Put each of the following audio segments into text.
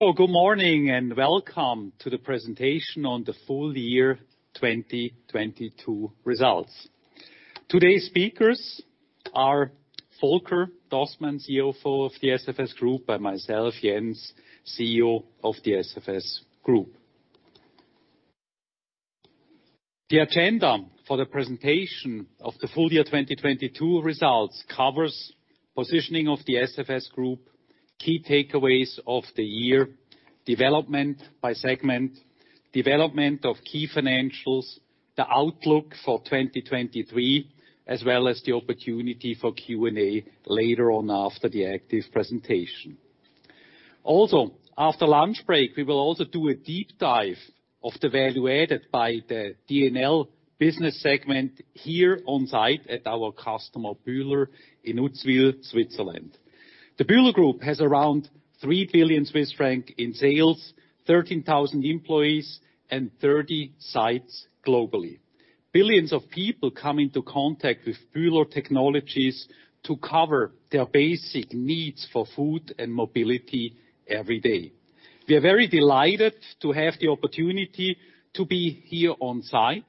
Hello. Good morning and welcome to the presentation on the full year 2022 results. Today's speakers are Volker Dostmann, CEO for the SFS Group, and myself, Jens, CEO of the SFS Group. The agenda for the presentation of the full year 2022 results covers positioning of the SFS Group, key takeaways of the year, development by segment, development of key financials, the outlook for 2023, as well as the opportunity for Q&A later on after the active presentation. Also, after lunch break, we will also do a deep dive of the value added by the D&L business segment here on site at our customer Bühler in Uzwil, Switzerland. The Bühler Group has around 3 billion Swiss francs in sales, 13,000 employees, and 30 sites globally. Billions of people come into contact with Bühler technologies to cover their basic needs for food and mobility every day. We are very delighted to have the opportunity to be here on site,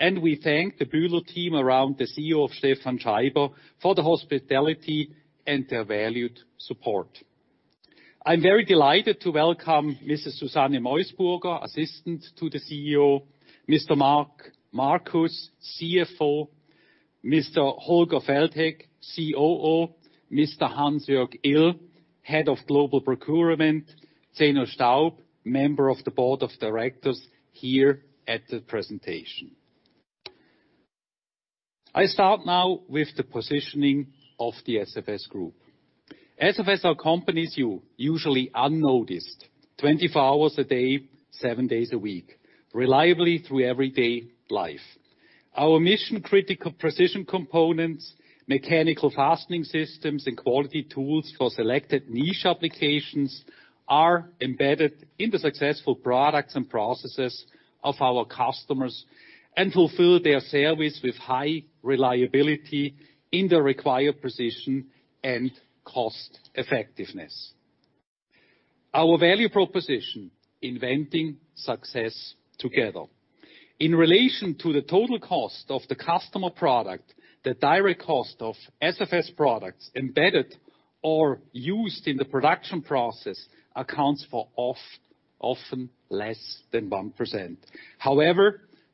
and we thank the Bühler team around the CEO Stefan Scheiber for the hospitality and their valued support. I'm very delighted to welcome Mrs. Susanne Meusburger, Assistant to the CEO, Mr. Markus, CFO, Mr. Holger Feldhake, COO, Mr. Hansjörg Ill, Head of Global Procurement, Zeno Staub, Member of the Board of Directors, here at the presentation. I start now with the positioning of the SFS Group. SFS accompanies you usually unnoticed, 24 hours a day, seven days a week, reliably through everyday life. Our mission-critical precision components, mechanical Fastening Systems, and quality tools for selected niche applications are embedded in the successful products and processes of our customers, and fulfill their service with high reliability in the required precision and cost-effectiveness. Our value proposition: inventing success together. In relation to the total cost of the customer product, the direct cost of SFS products embedded or used in the production process accounts for often less than 1%.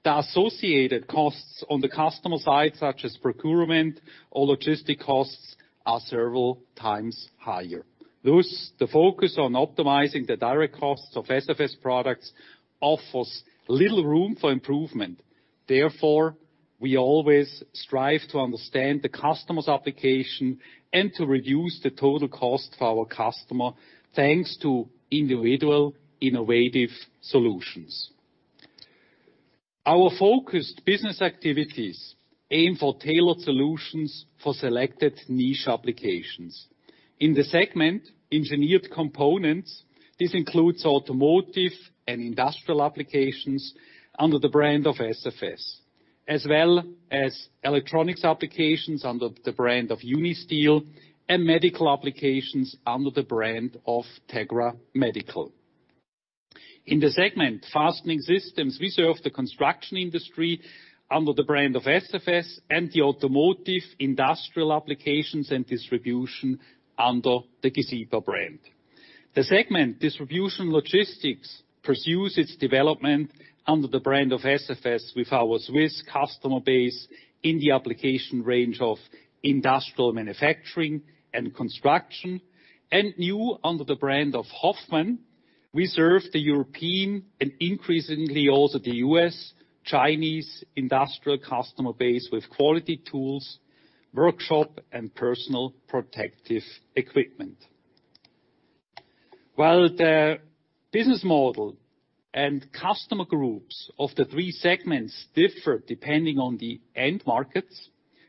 The associated costs on the customer side, such as procurement or logistic costs, are several times higher. The focus on optimizing the direct costs of SFS products offers little room for improvement. We always strive to understand the customer's application and to reduce the total cost for our customer, thanks to individual innovative solutions. Our focused business activities aim for tailored solutions for selected niche applications. In the segment Engineered Components, this includes automotive and industrial applications under the brand of SFS, as well as electronics applications under the brand of Unisteel, and medical applications under the brand of Tegra Medical. In the segment Fastening Systems, we serve the construction industry under the brand of SFS and the automotive industrial applications and distribution under the GESIPA brand. The segment Distribution & Logistics pursues its development under the brand of SFS with our Swiss customer base in the application range of industrial manufacturing and construction. New, under the brand of Hoffmann, we serve the European and increasingly also the U.S., Chinese industrial customer base with quality tools, workshop, and personal protective equipment. While the business model and customer groups of the three segments differ depending on the end markets,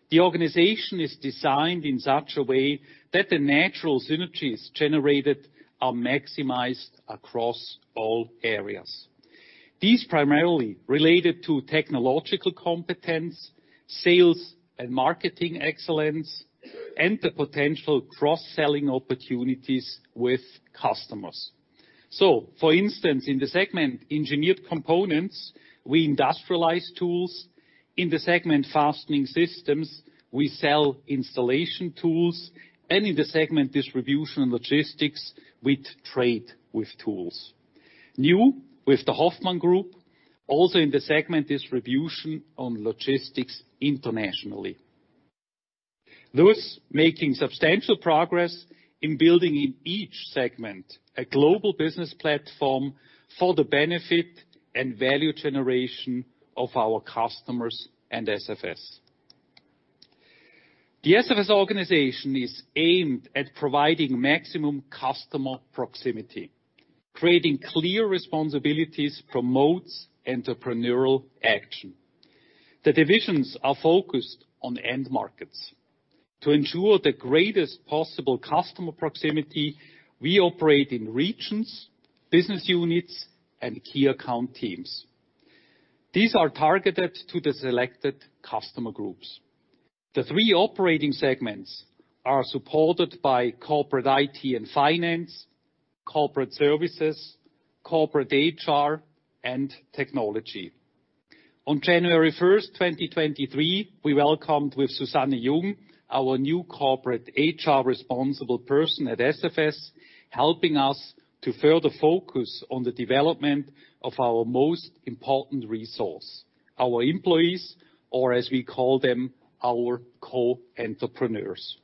the organization is designed in such a way that the natural synergies generated are maximized across all areas. These primarily related to technological competence, sales and marketing excellence, and the potential cross-selling opportunities with customers. For instance, in the segment Engineered Components, we industrialize tools. In the segment Fastening Systems, we sell installation tools. In the segment Distribution & Logistics, we trade with tools. New with the Hoffmann Group, also in the segment Distribution & Logistics internationally. Making substantial progress in building in each segment a global business platform for the benefit and value generation of our customers and SFS. The SFS organization is aimed at providing maximum customer proximity. Creating clear responsibilities promotes entrepreneurial action. The divisions are focused on end markets. To ensure the greatest possible customer proximity, we operate in regions, business units, and key account teams. These are targeted to the selected customer groups. The three operating segments are supported by corporate IT and finance, corporate services, corporate HR, and technology. On January 1st, 2023, we welcomed with Susanne Jung, our new corporate HR responsible person at SFS, helping us to further focus on the development of our most important resource, our employees, or as we call them, our co-entrepreneurs.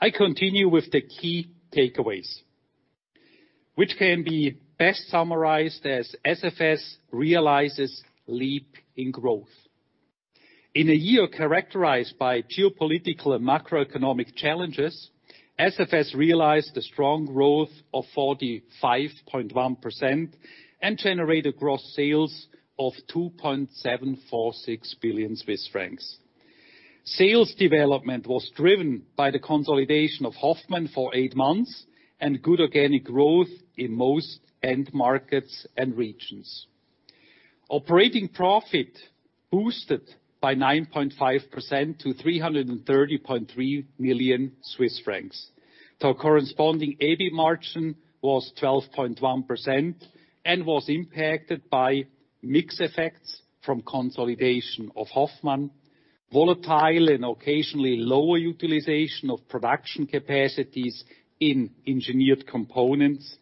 I continue with the key takeaways, which can be best summarized as SFS realizes leap in growth. In a year characterized by geopolitical and macroeconomic challenges, SFS realized a strong growth of 45.1%, and generated gross sales of 2.746 billion Swiss francs. Sales development was driven by the consolidation of Hoffmann for eight months, and good organic growth in most end markets and regions. Operating profit boosted by 9.5% to 330.3 million Swiss francs. The corresponding EBIT margin was 12.1% and was impacted by mix effects from consolidation of Hoffmann, volatile and occasionally lower utilization of production capacities in Engineered Components.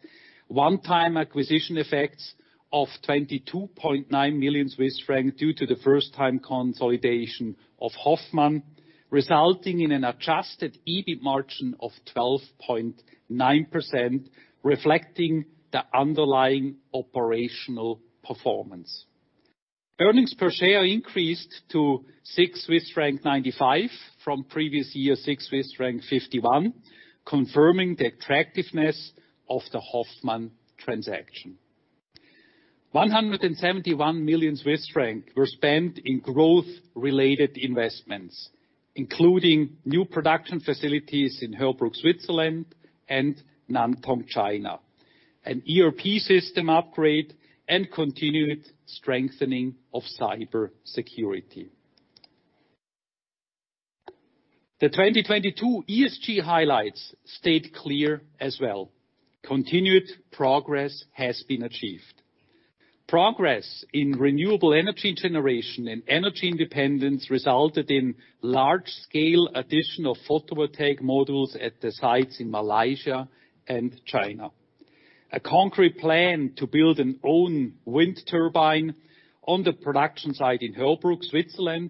One-time acquisition effects of 22.9 million Swiss francs due to the first time consolidation of Hoffmann, resulting in an adjusted EBIT margin of 12.9%, reflecting the underlying operational performance. Earnings per share increased to 6.95 Swiss franc from previous year 6.51 Swiss franc, confirming the attractiveness of the Hoffmann transaction. 171 million Swiss francs were spent in growth-related investments, including new production facilities in Höhr-Grenzhausen, Germany and Nantong, China, an ERP system upgrade, and continued strengthening of cyber security. The 2022 ESG highlights stayed clear as well. Continued progress has been achieved. Progress in renewable energy generation and energy independence resulted in large-scale additional photovoltaic modules at the sites in Malaysia and China. A concrete plan to build an own wind turbine on the production site in Höhr-Grenzhausen, Germany,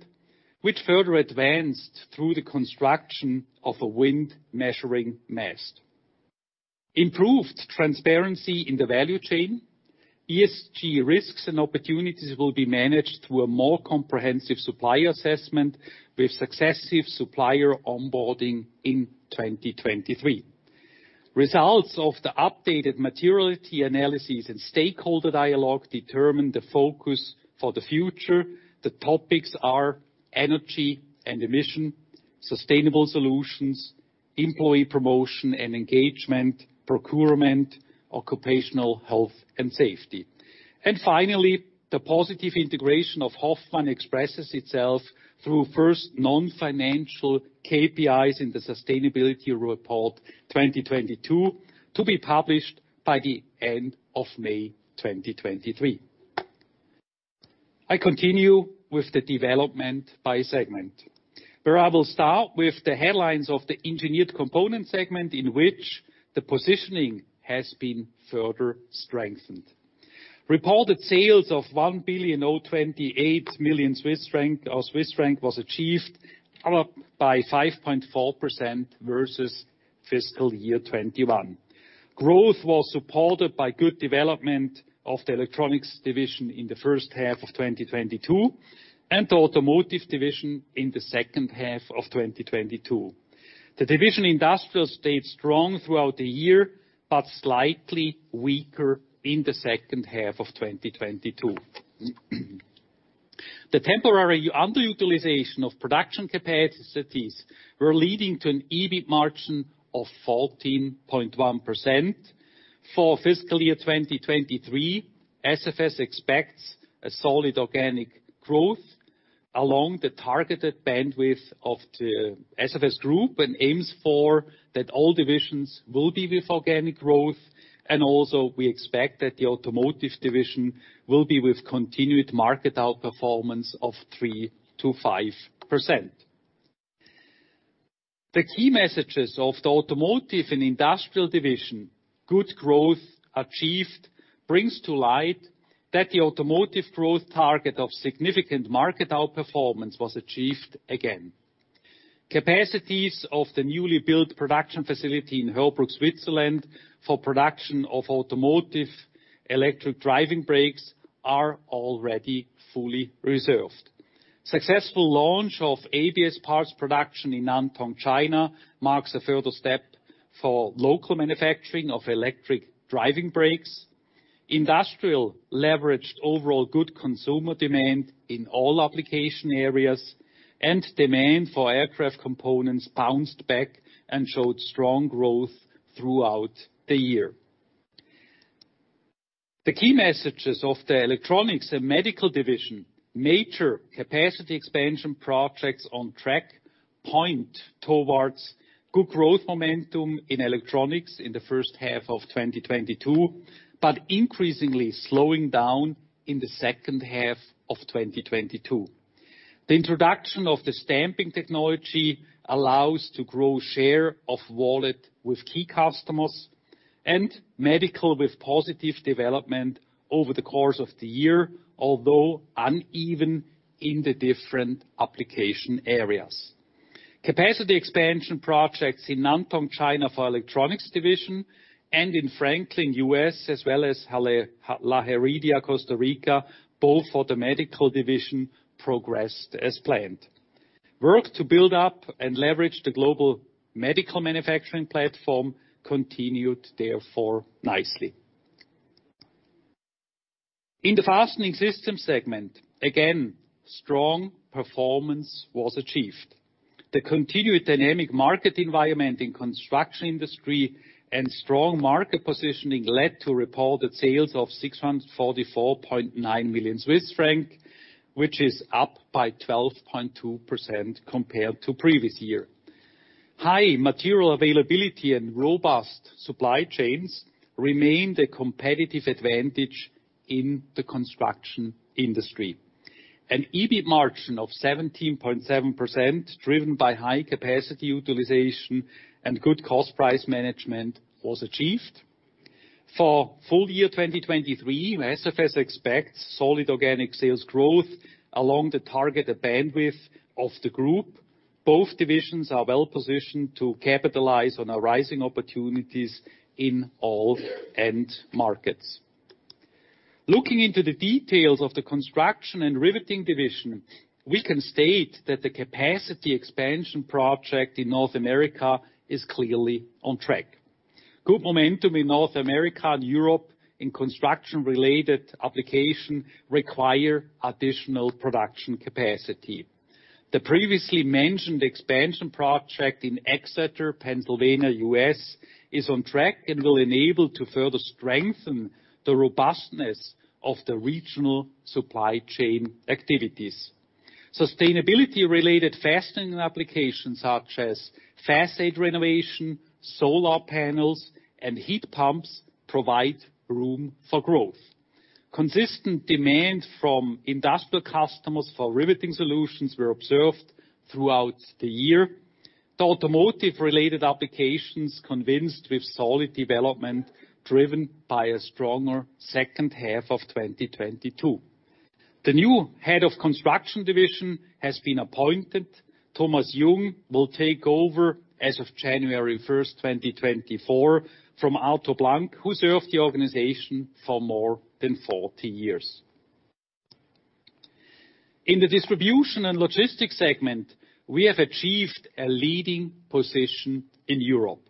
which further advanced through the construction of a wind measuring mast. Improved transparency in the value chain. ESG risks and opportunities will be managed through a more comprehensive supplier assessment with successive supplier onboarding in 2023. Results of the updated materiality analysis and stakeholder dialogue determine the focus for the future. The topics are energy and emission, sustainable solutions, employee promotion and engagement, procurement, occupational health and safety. Finally, the positive integration of Hoffmann expresses itself through first non-financial KPIs in the sustainability report 2022, to be published by the end of May 2023. I continue with the development by segment, where I will start with the headlines of the Engineered Components segment, in which the positioning has been further strengthened. Reported sales of 1,028 million Swiss franc was achieved, up by 5.4% versus fiscal year 2021. Growth was supported by good development of the electronics division in the first half of 2022, and the automotive division in the second half of 2022. The division industrial stayed strong throughout the year, but slightly weaker in the second half of 2022. The temporary underutilization of production capacities were leading to an EBIT margin of 14.1%. For fiscal year 2023, SFS expects a solid organic growth along the targeted bandwidth of the SFS Group, and aims for that all divisions will be with organic growth. Also, we expect that the automotive division will be with continued market outperformance of 3%-5%. The key messages of the automotive and industrial division, good growth achieved, brings to light that the automotive growth target of significant market outperformance was achieved again. Capacities of the newly built production facility in Höhr-Grenzhausen for production of automotive electric driving brakes are already fully reserved. Successful launch of ABS parts production in Nantong, China marks a further step for local manufacturing of electric driving brakes. Industrial leveraged overall good consumer demand in all application areas, and demand for aircraft components bounced back and showed strong growth throughout the year. The key messages of the electronics and medical division, major capacity expansion projects on track point towards good growth momentum in electronics in the first half of 2022, but increasingly slowing down in the second half of 2022. The introduction of the stamping technology allows to grow share of wallet with key customers and medical with positive development over the course of the year, although uneven in the different application areas. Capacity expansion projects in Nantong, China for our electronics division and in Franklin, US, as well as Ha-La Heredia, Costa Rica, both for the medical division, progressed as planned. Work to build up and leverage the global medical manufacturing platform continued therefore nicely. In the Fastening Systems segment, again, strong performance was achieved. The continued dynamic market environment in construction industry and strong market positioning led to reported sales of 644.9 million Swiss francs, which is up by 12.2% compared to previous year. High material availability and robust supply chains remained a competitive advantage in the construction industry. An EBIT margin of 17.7%, driven by high capacity utilization and good cost price management, was achieved. For full year 2023, SFS expects solid organic sales growth along the targeted bandwidth of the group. Both divisions are well-positioned to capitalize on arising opportunities in all end markets. Looking into the details of the construction and riveting division, we can state that the capacity expansion project in North America is clearly on track. Good momentum in North America and Europe in construction-related application require additional production capacity. The previously mentioned expansion project in Exeter, Pennsylvania, U.S., is on track and will enable to further strengthen the robustness of the regional supply chain activities. Sustainability-related façade fastening applications, such as renovation, solar panels, and heat pumps, provide room for growth. Consistent demand from industrial customers for riveting solutions were observed throughout the year. The automotive-related applications convinced with solid development driven by a stronger second half of 2022. The new Head of Division Construction has been appointed. Thomas Jung will take over as of January 1st, 2024, from Arthur Blank, who served the organization for more than 40 years. In the Distribution & Logistics segment, we have achieved a leading position in Europe.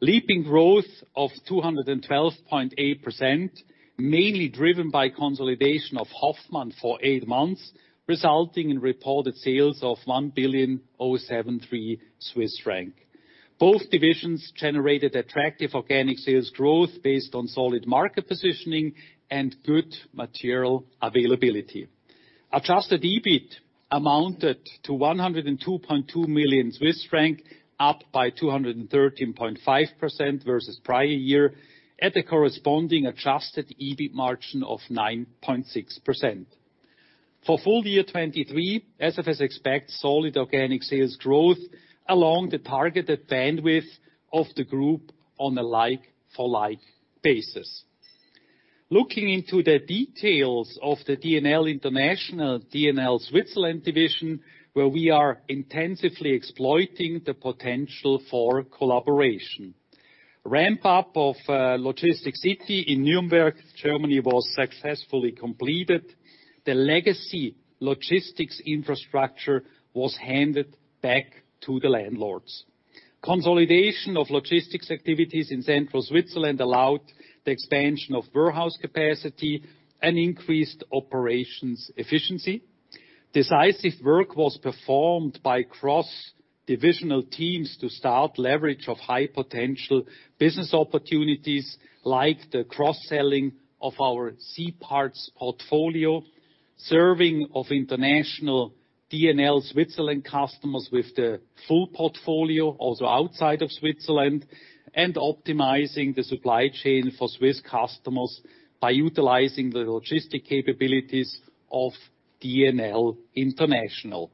Leaping growth of 212.8%, mainly driven by consolidation of Hoffmann for eight months, resulting in reported sales of 1,073 million Swiss franc. Both divisions generated attractive organic sales growth based on solid market positioning and good material availability. Adjusted EBIT amounted to 102.2 million Swiss franc, up by 213.5% versus prior year, at a corresponding adjusted EBIT margin of 9.6%. For full year 2023, SFS expects solid organic sales growth along the targeted bandwidth of the group on a like for like basis. Looking into the details of the D&L International-D&L Switzerland division, where we are intensively exploiting the potential for collaboration. Ramp-up of LogisticCity in Nuremberg, Germany, was successfully completed. The legacy logistics infrastructure was handed back to the landlords. Consolidation of logistics activities in central Switzerland allowed the expansion of warehouse capacity and increased operations efficiency. Decisive work was performed by cross-divisional teams to start leverage of high-potential business opportunities, like the cross-selling of our C-parts portfolio, serving of international D&L Switzerland customers with the full portfolio, also outside of Switzerland, and optimizing the supply chain for Swiss customers by utilizing the logistic capabilities of D&L International.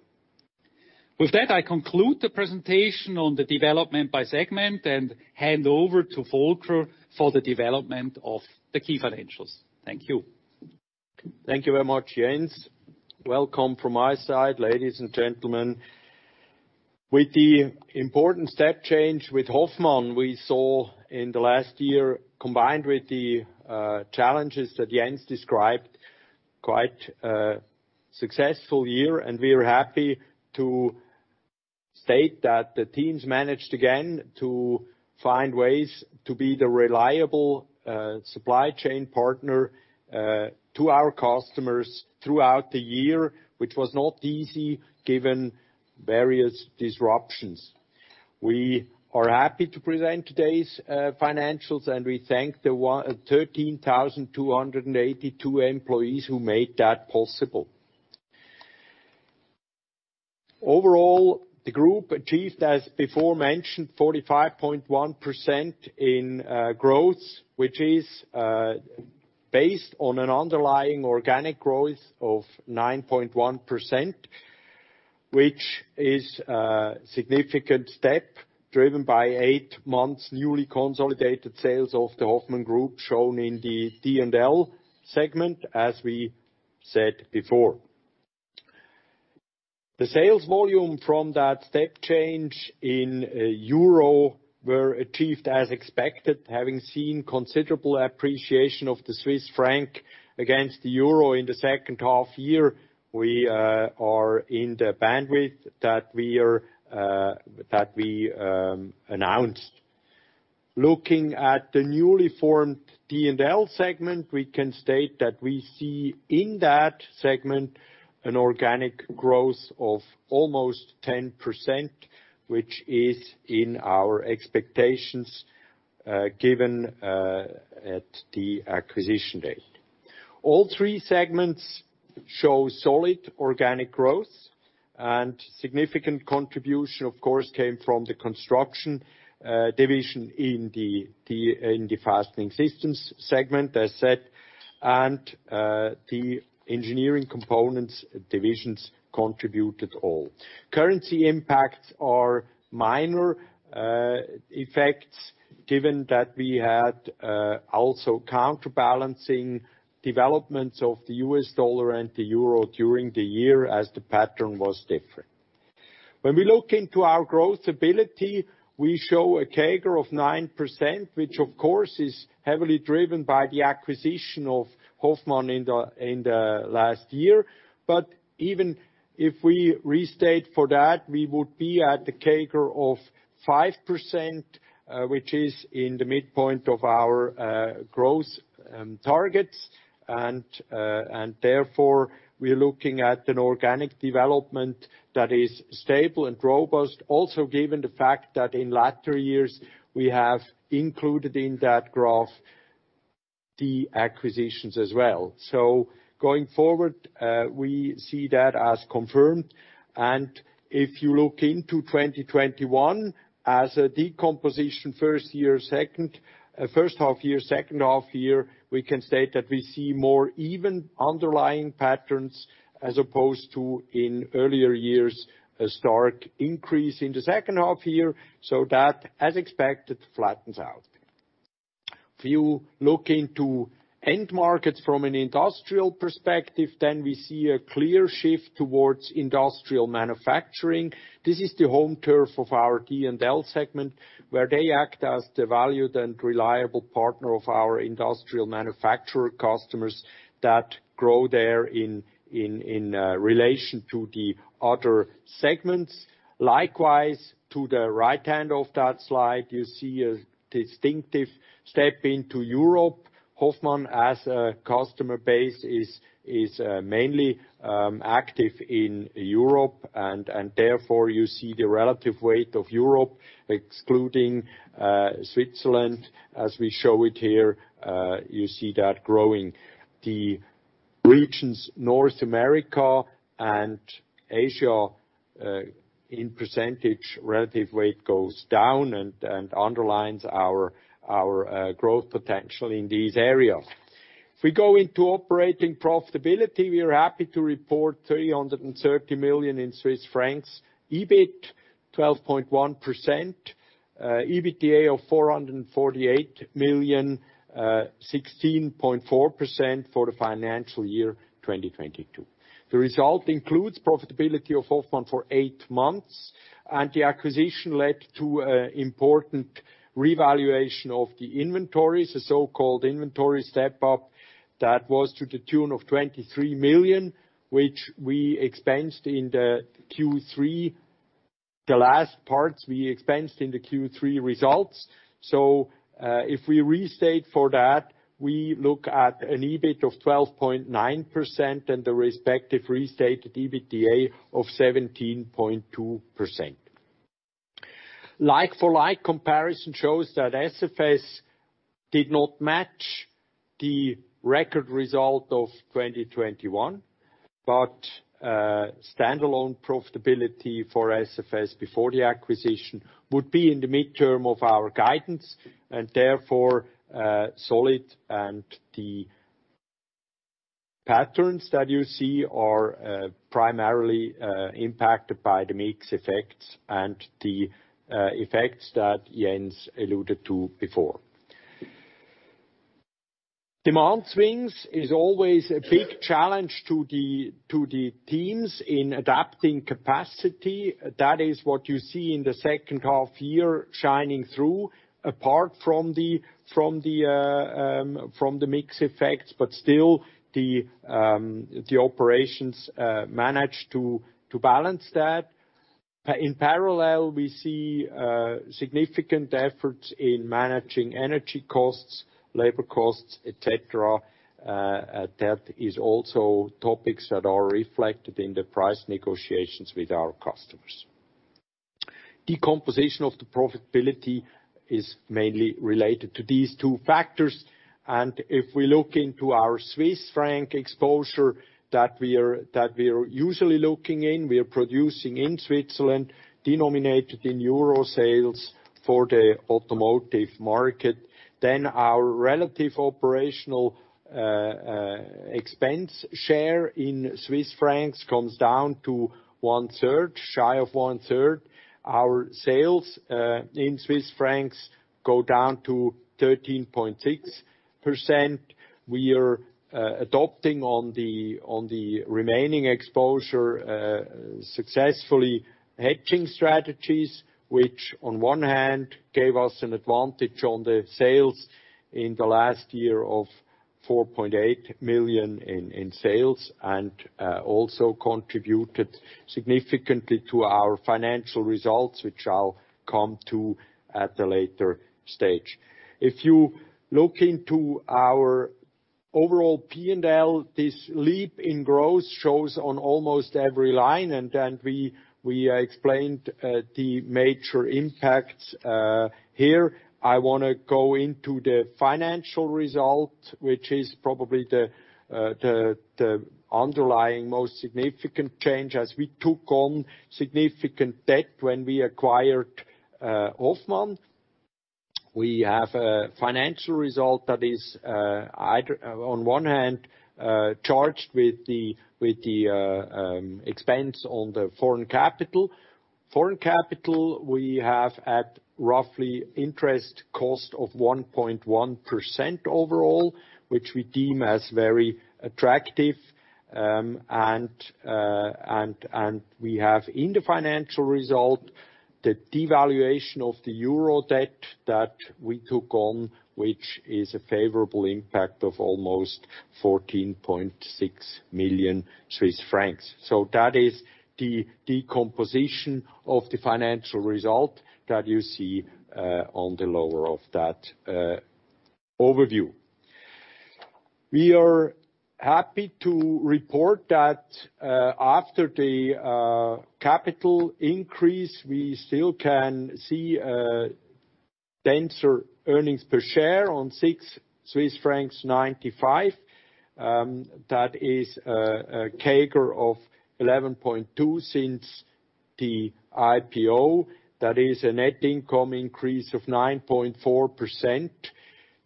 With that, I conclude the presentation on the development by segment and hand over to Volker for the development of the key financials. Thank you. Thank you very much, Jens. Welcome from my side, ladies and gentlemen. With the important step change with Hoffmann we saw in the last year, combined with the challenges that Jens described, quite a successful year, and we are happy to state that the teams managed again to find ways to be the reliable supply chain partner to our customers throughout the year, which was not easy given various disruptions. We are happy to present today's financials, and we thank the 13,282 employees who made that possible. Overall, the group achieved, as before mentioned, 45.1% in growth, which is based on an underlying organic growth of 9.1%. Which is a significant step driven by eight months newly consolidated sales of the Hoffmann Group shown in the D&L segment, as we said before. The sales volume from that step change in euro were achieved as expected. Having seen considerable appreciation of the Swiss franc against the euro in the second half year, we are in the bandwidth that we announced. Looking at the newly formed D&L segment, we can state that we see in that segment an organic growth of almost 10%, which is in our expectations given at the acquisition date. All three segments show solid organic growth. Significant contribution, of course, came from the construction division in the Fastening Systems segment, as said, and the engineering components divisions contributed all. Currency impacts are minor effects given that we had also counterbalancing developments of the US dollar and the euro during the year as the pattern was different. We look into our growth ability. We show a CAGR of 9%, which of course is heavily driven by the acquisition of Hoffmann in the last year. Even if we restate for that, we would be at the CAGR of 5%, which is in the midpoint of our growth targets. Therefore, we are looking at an organic development that is stable and robust. Also given the fact that in latter years we have included in that graph the acquisitions as well. Going forward, we see that as confirmed. If you look into 2021 as a decomposition first year, first half year, second half year, we can state that we see more even underlying patterns as opposed to in earlier years, a stark increase in the second half year. That, as expected, flattens out. If you look into end markets from an industrial perspective, then we see a clear shift towards industrial manufacturing. This is the home turf of our D&L segment, where they act as the valued and reliable partner of our industrial manufacturer customers that grow there in relation to the other segments. Likewise, to the right hand of that slide, you see a distinctive step into Europe. Hoffmann as a customer base is mainly active in Europe and therefore you see the relative weight of Europe, excluding Switzerland, as we show it here, you see that growing. The regions North America and Asia in percentage relative weight goes down and underlines our growth potential in these areas. We go into operating profitability, we are happy to report 330 million. EBIT 12.1%. EBITDA of 448 million, 16.4% for the financial year 2022. The result includes profitability of Hoffmann for eight months, the acquisition led to an important revaluation of the inventories, the so-called inventory step-up, that was to the tune of 23 million, which we expensed in the Q3, the last parts we expensed in the Q3 results. If we restate for that, we look at an EBIT of 12.9% and the respective restated EBITDA of 17.2%. Like for like comparison shows that SFS did not match the record result of 2021, but standalone profitability for SFS before the acquisition would be in the midterm of our guidance and therefore solid. The patterns that you see are primarily impacted by the mix effects and the effects that Jens alluded to before. Demand swings is always a big challenge to the teams in adapting capacity. That is what you see in the second half year shining through, apart from the mix effects, but still the operations manage to balance that. In parallel, we see significant efforts in managing energy costs, labor costs, et cetera. That is also topics that are reflected in the price negotiations with our customers. Decomposition of the profitability is mainly related to these two factors. If we look into our Swiss franc exposure that we are usually looking in, we are producing in Switzerland, denominated in euro sales for the automotive market. Our relative operational expense share in Swiss francs comes down to 1/3, shy of 1/3. Our sales in Swiss francs go down to 13.6%. We are adopting on the remaining exposure successfully hedging strategies, which on one hand gave us an advantage on the sales in the last year of 4.8 million in sales and also contributed significantly to our financial results, which I'll come to at the later stage. If you look into our overall P&L, this leap in growth shows on almost every line. We explained the major impacts here. I wanna go into the financial result, which is probably the underlying most significant change as we took on significant debt when we acquired Hoffmann. We have a financial result that is either on one hand charged with the expense on the foreign capital. Foreign capital, we have at roughly interest cost of 1.1% overall, which we deem as very attractive. We have in the financial result, the devaluation of the EUR debt that we took on, which is a favorable impact of almost 14.6 million Swiss francs. That is the decomposition of the financial result that you see on the lower of that overview. We are happy to report that after the capital increase, we still can see a denser earnings per share on 6.95 Swiss francs. That is a CAGR of 11.2% since the IPO. That is a net income increase of 9.4%.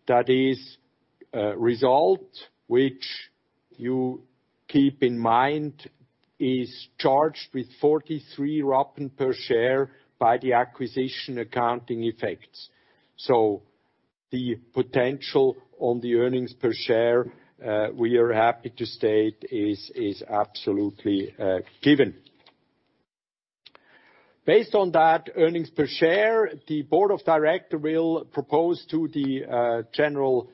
That is a result which you keep in mind is charged with 0.43 per share by the acquisition accounting effects. The potential on the earnings per share, we are happy to state is absolutely given. Based on that earnings per share, the board of director will propose to the general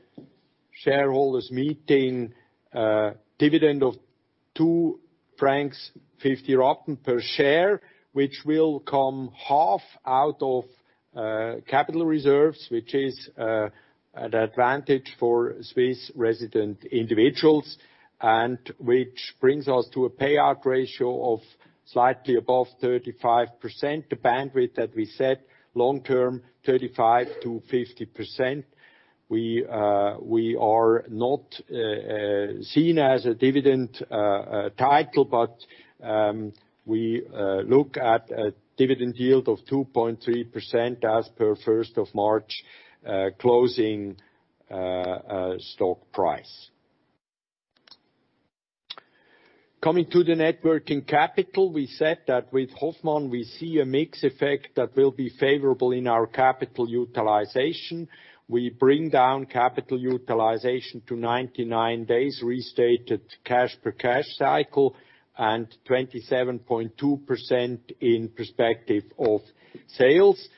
shareholders meeting a dividend of 2.50 francs per share, which will come half out of capital reserves, which is an advantage for Swiss resident individuals, and which brings us to a payout ratio of slightly above 35%, the bandwidth that we set long-term, 35%-50%. We are not seen as a dividend title, but we look at a dividend yield of 2.3% as per 1st of March closing stock price. Coming to the net working capital, we said that with Hoffmann we see a mix effect that will be favorable in our capital utilization. We bring down capital utilization to 99 days, restated cash per cash cycle, and 27.2% in perspective of sales.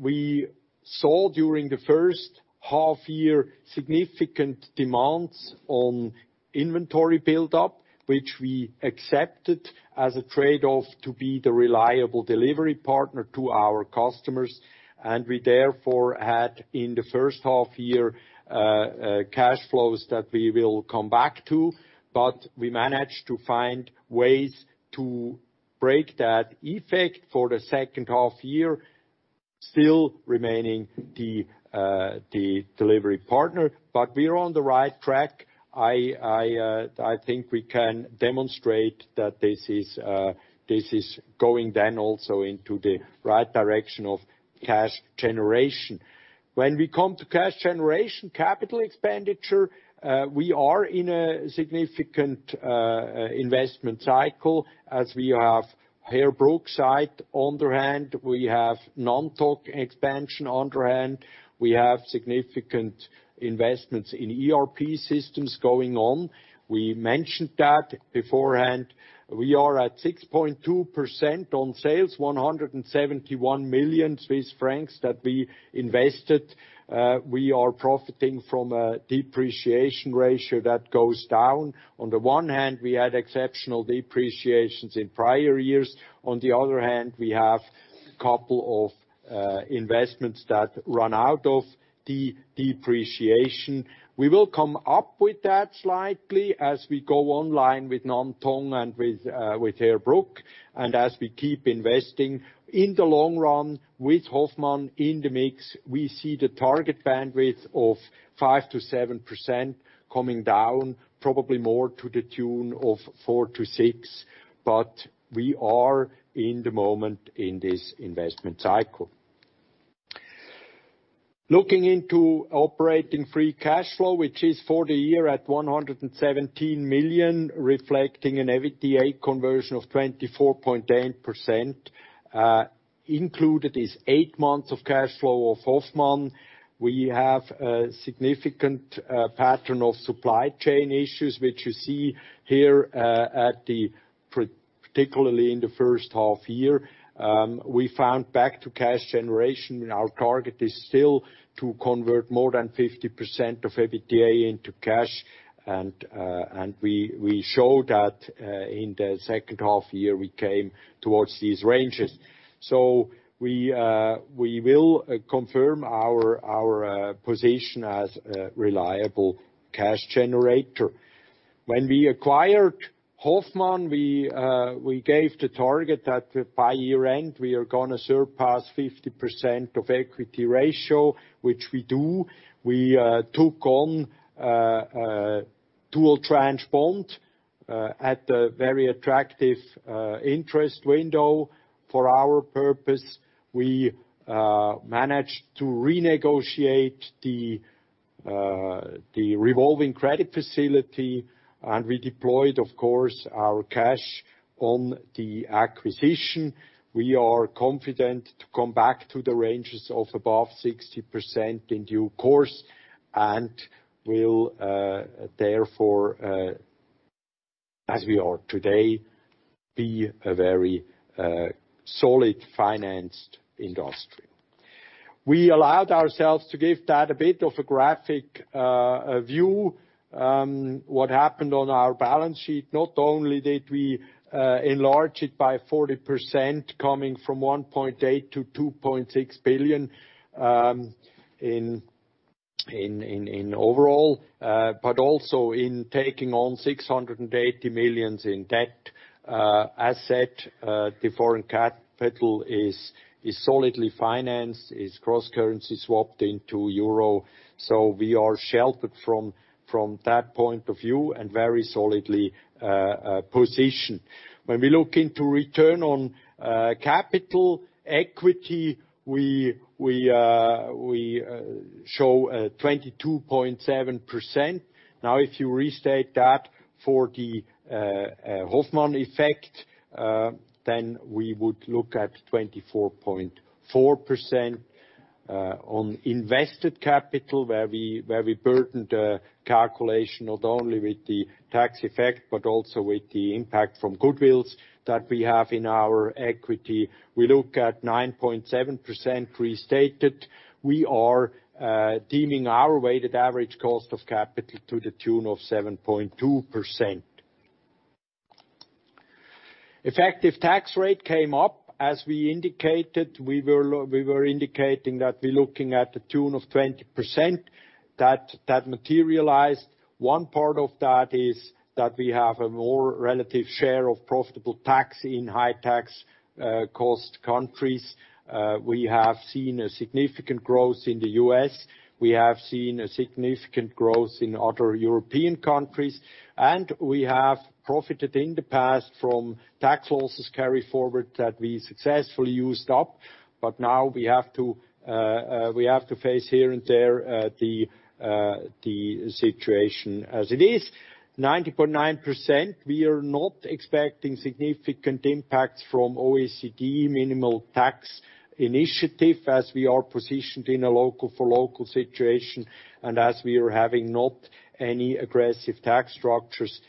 We saw during the first half year, significant demands on inventory build-up, which we accepted as a trade-off to be the reliable delivery partner to our customers. We therefore had, in the first half year, cash flows that we will come back to, but we managed to find ways to break that effect for the second half year, still remaining the delivery partner. We're on the right track. I think we can demonstrate that this is going then also into the right direction of cash generation. When we come to cash generation capital expenditure, we are in a significant investment cycle as we have Heerbrugg site on the hand, we have Nantong expansion on the hand, we have significant investments in ERP systems going on. We mentioned that beforehand. We are at 6.2% on sales, 171 million Swiss francs that we invested. We are profiting from a depreciation ratio that goes down. On the one hand, we had exceptional depreciations in prior years. On the other hand, we have a couple of investments that run out of the depreciation. We will come up with that slightly as we go online with Nantong and with Heerbrugg, and as we keep investing. In the long run, with Hoffmann in the mix, we see the target bandwidth of 5%-7% coming down, probably more to the tune of 4%-6%. We are in the moment in this investment cycle. Looking into operating free cash flow, which is for the year at 117 million, reflecting an EBITDA conversion of 24.8%. Included is eight months of cash flow of Hoffmann. We have a significant pattern of supply chain issues which you see here, particularly in the first half year. We found back to cash generation, our target is still to convert more than 50% of EBITDA into cash and we show that in the second half year, we came towards these ranges. We will confirm our position as a reliable cash generator. When we acquired Hoffmann, we gave the target that by year-end, we are gonna surpass 50% of equity ratio, which we do. We took on dual tranche bond at a very attractive interest window. For our purpose, we managed to renegotiate the revolving credit facility, and we deployed, of course, our cash on the acquisition. We are confident to come back to the ranges of above 60% in due course and will, therefore, as we are today, be a very solid financed industry. We allowed ourselves to give that a bit of a graphic view, what happened on our balance sheet. Not only did we enlarge it by 40%, coming from 1.8 billion to 2.6 billion in overall, but also in taking on 680 million in debt asset. The foreign capital is solidly financed. It's cross-currency swapped into euro. We are sheltered from that point of view and very solidly positioned. When we look into return on capital equity, we show 22.7%. If you restate that for the Hoffmann effect, we would look at 24.4% on invested capital where we burdened the calculation not only with the tax effect, but also with the impact from goodwills that we have in our equity. We look at 9.7% restated. We are deeming our weighted average cost of capital to the tune of 7.2%. Effective tax rate came up. As we indicated, we were indicating that we're looking at the tune of 20%. That materialized. One part of that is that we have a more relative share of profitable tax in high tax cost countries. We have seen a significant growth in the U.S. We have seen a significant growth in other European countries, and we have profited in the past from tax losses carry forward that we successfully used up. Now we have to face here and there the situation as it is, 90.9%. We are not expecting significant impacts from OECD minimal tax initiative as we are positioned in a local for local situation. As we are having not any aggressive tax structures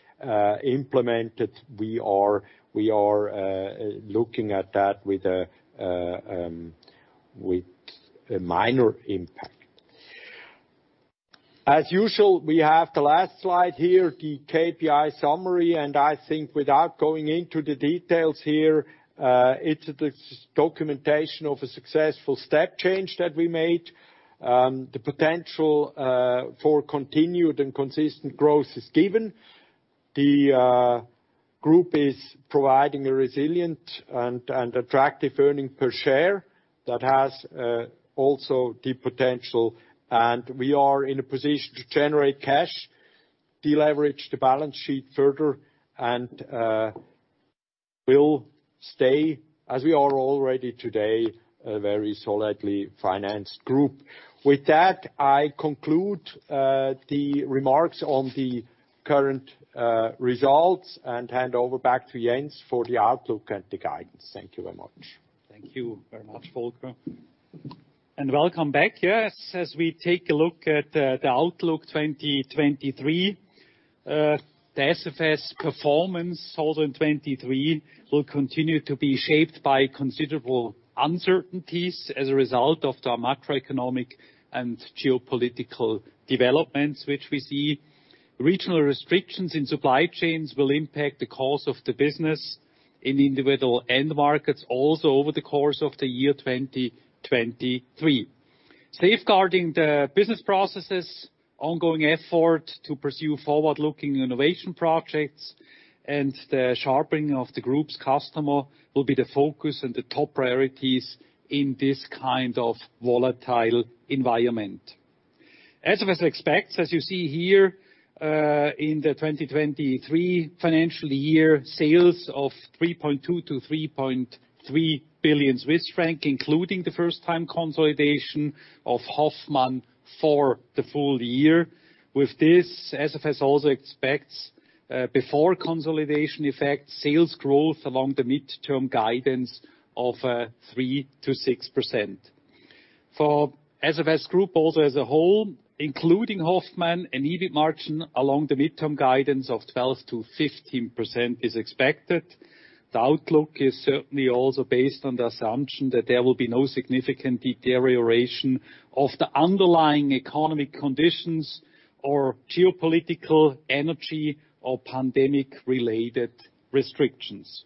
implemented, we are looking at that with a minor impact. As usual, we have the last slide here, the KPI summary. I think without going into the details here, it's the documentation of a successful step change that we made. The potential for continued and consistent growth is given. The group is providing a resilient and attractive earning per share that has also the potential. We are in a position to generate cash, deleverage the balance sheet further, and will stay, as we are already today, a very solidly financed group. With that, I conclude the remarks on the current results and hand over back to Jens for the outlook and the guidance. Thank you very much. Thank you very much, Volker. Welcome back. Yes, as we take a look at the outlook 2023, the SFS performance also in 2023 will continue to be shaped by considerable uncertainties as a result of the macroeconomic and geopolitical developments which we see. Regional restrictions in supply chains will impact the course of the business in individual end markets also over the course of the year 2023. Safeguarding the business processes, ongoing effort to pursue forward-looking innovation projects, and the sharpening of the group's customer will be the focus and the top priorities in this kind of volatile environment. SFS expects, as you see here, in the 2023 financial year, sales of 3.2 billion-3.3 billion Swiss francs, including the first time consolidation of Hoffmann for the full year. With this, SFS also expects, before consolidation effect, sales growth along the midterm guidance of 3%-6%. For SFS Group also as a whole, including Hoffmann and EBIT margin, along the midterm guidance of 12%-15% is expected. The outlook is certainly also based on the assumption that there will be no significant deterioration of the underlying economy conditions or geopolitical energy or pandemic-related restrictions.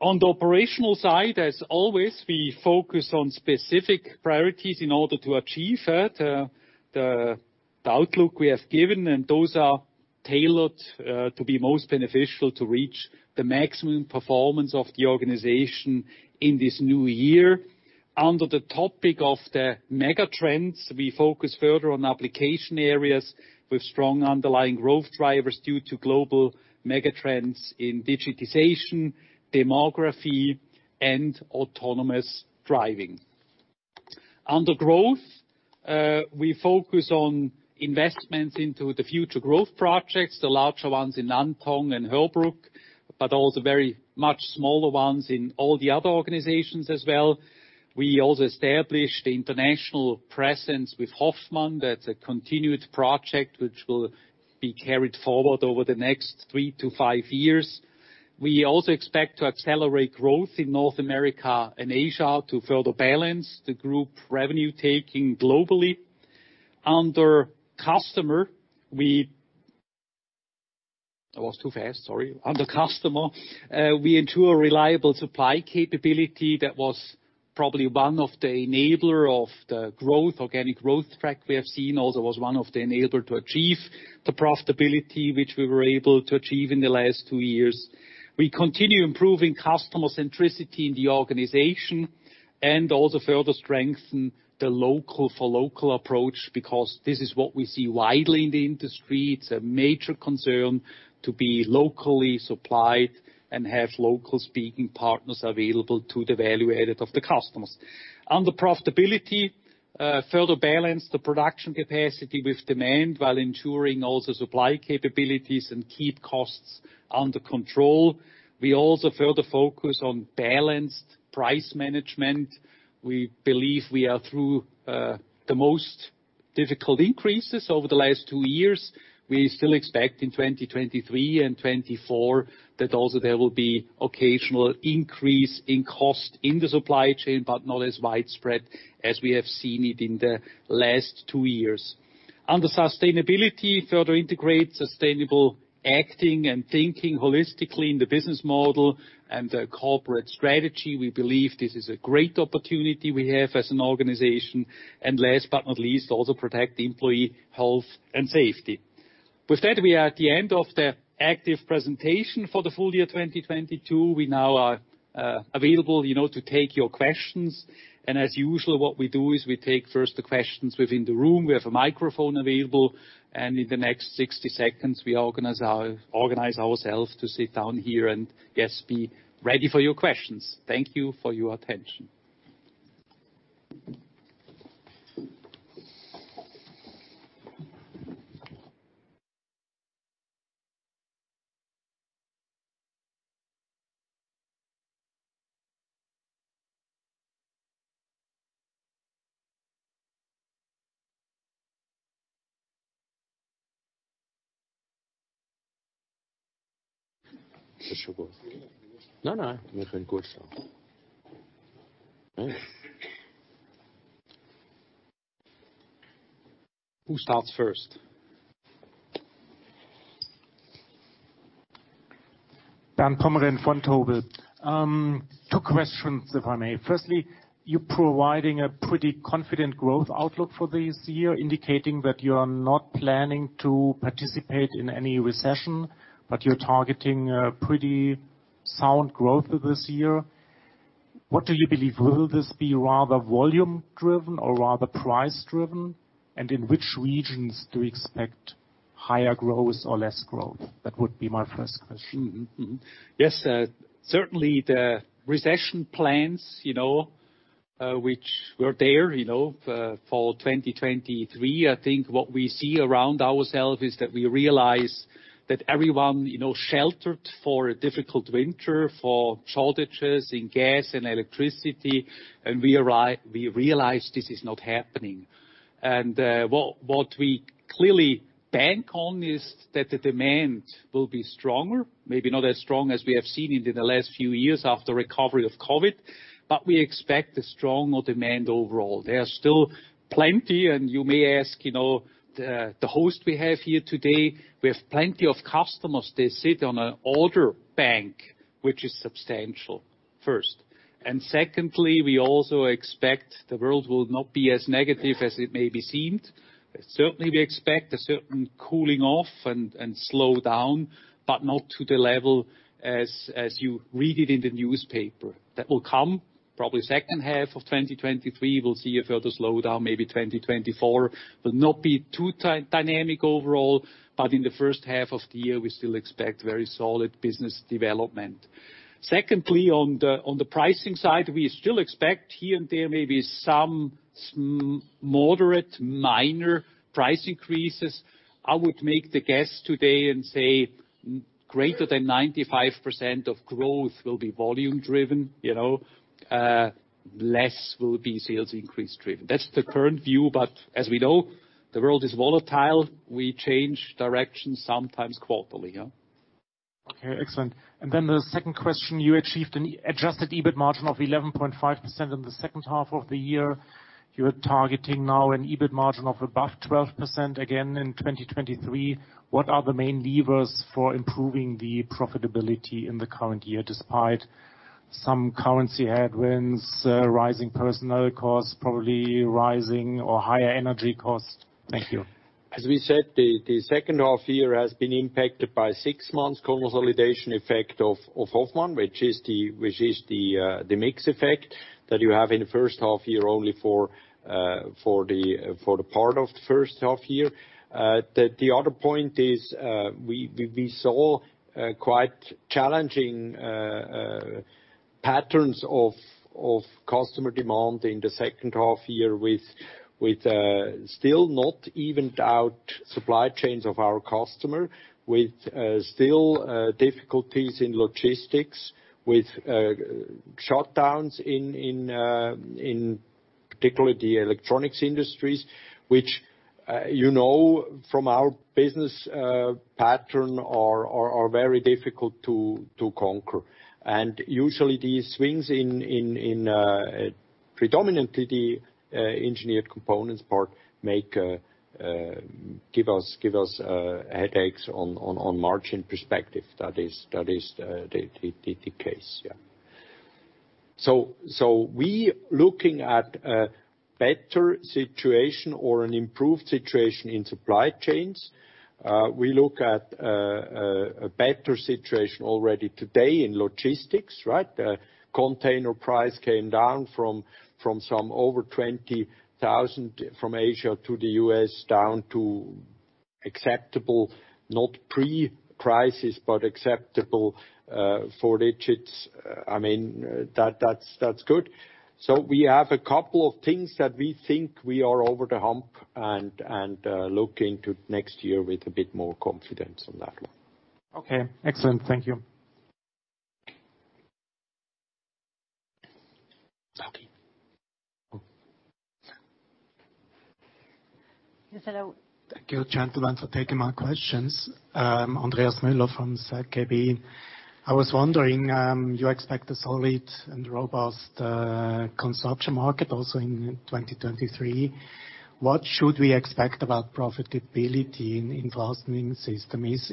On the operational side, as always, we focus on specific priorities in order to achieve the outlook we have given, and those are tailored to be most beneficial to reach the maximum performance of the organization in this new year. Under the topic of the mega trends, we focus further on application areas with strong underlying growth drivers due to global mega trends in digitization, demography, and autonomous driving. Under growth, we focus on investments into the future growth projects, the larger ones in Nantong and Hürth-Bruck, but also very much smaller ones in all the other organizations as well. We also established international presence with Hoffmann. That's a continued project which will be carried forward over the next three to five years. We also expect to accelerate growth in North America and Asia to further balance the group revenue taking globally. Under customer, I was too fast, sorry. Under customer, we ensure reliable supply capability. That was probably one of the enabler of the growth, organic growth track we have seen, also was one of the enabler to achieve the profitability which we were able to achieve in the last two years. We continue improving customer centricity in the organization and also further strengthen the local-for-local approach because this is what we see widely in the industry. It's a major concern to be locally supplied and have local speaking partners available to the value added of the customers. Under profitability, further balance the production capacity with demand while ensuring also supply capabilities and keep costs under control. We also further focus on balanced price management. We believe we are through the most difficult increases over the last two years. We still expect in 2023 and 2024 that also there will be occasional increase in cost in the supply chain, but not as widespread as we have seen it in the last two years. Under sustainability, further integrate sustainable acting and thinking holistically in the business model and the corporate strategy. We believe this is a great opportunity we have as an organization. Last but not least, also protect employee health and safety. With that, we are at the end of the active presentation for the full year 2022. We now are available, you know, to take your questions. As usual, what we do is we take first the questions within the room. We have a microphone available. In the next 60 seconds, we organize ourselves to sit down here and, yes, be ready for your questions. Thank you for your attention. Who starts first? Bernd Pomrehn, Vontobel. Two questions, if I may. Firstly, you're providing a pretty confident growth outlook for this year, indicating that you are not planning to participate in any recession, but you're targeting a pretty sound growth for this year. What do you believe? Will this be rather volume-driven or rather price-driven? In which regions do you expect higher growth or less growth? That would be my first question. Yes, certainly the recession plans, you know, which were there, you know, for 2023. I think what we see around ourself is that we realize that everyone, you know, sheltered for a difficult winter, for shortages in gas and electricity, we realize this is not happening. What we clearly bank on is that the demand will be stronger, maybe not as strong as we have seen it in the last few years after recovery of COVID, but we expect a stronger demand overall. There are still plenty, and you may ask, you know, the host we have here today, we have plenty of customers. They sit on an order bank which is substantial, first. Secondly, we also expect the world will not be as negative as it may be seemed. Certainly, we expect a certain cooling off and slow down, but not to the level as you read it in the newspaper. That will come probably second half of 2023. We'll see a further slowdown, maybe 2024, but not be too dynamic overall. In the first half of the year, we still expect very solid business development. Secondly, on the pricing side, we still expect here and there maybe some moderate, minor price increases. I would make the guess today and say greater than 95% of growth will be volume driven, you know. Less will be sales increase driven. That's the current view, but as we know, the world is volatile. We change directions sometimes quarterly. Okay, excellent. The second question, you achieved an adjusted EBIT margin of 11.5% in the second half of the year. You're targeting now an EBIT margin of above 12% again in 2023. What are the main levers for improving the profitability in the current year, despite some currency headwinds, rising personnel costs, probably rising or higher energy costs? Thank you. As we said, the second half year has been impacted by six months consolidation effect of Hoffmann, which is the mix effect that you have in the first half year only for the part of the first half year. The other point is, we saw quite challenging patterns of customer demand in the second half year with still not evened out supply chains of our customer, with still difficulties in logistics, with shutdowns in particular the electronics industries, which, you know from our business pattern are very difficult to conquer. Usually these swings in predominantly the Engineered Components part make give us headaches on margin perspective. That is the case. We looking at a better situation or an improved situation in supply chains. We look at a better situation already today in logistics, right? The container price came down from some over 20,000 from Asia to the U.S. down to acceptable, not pre-crisis, but acceptable four digits. I mean, that's good. We have a couple of things that we think we are over the hump and look into next year with a bit more confidence on that one. Okay. Excellent. Thank you. Okay. Oh. Yes, hello. Thank you, gentlemen, for taking my questions. I'm Andreas Müller from ZKB. I was wondering, you expect a solid and robust consumption market also in 2023. What should we expect about profitability in Fastening Systems?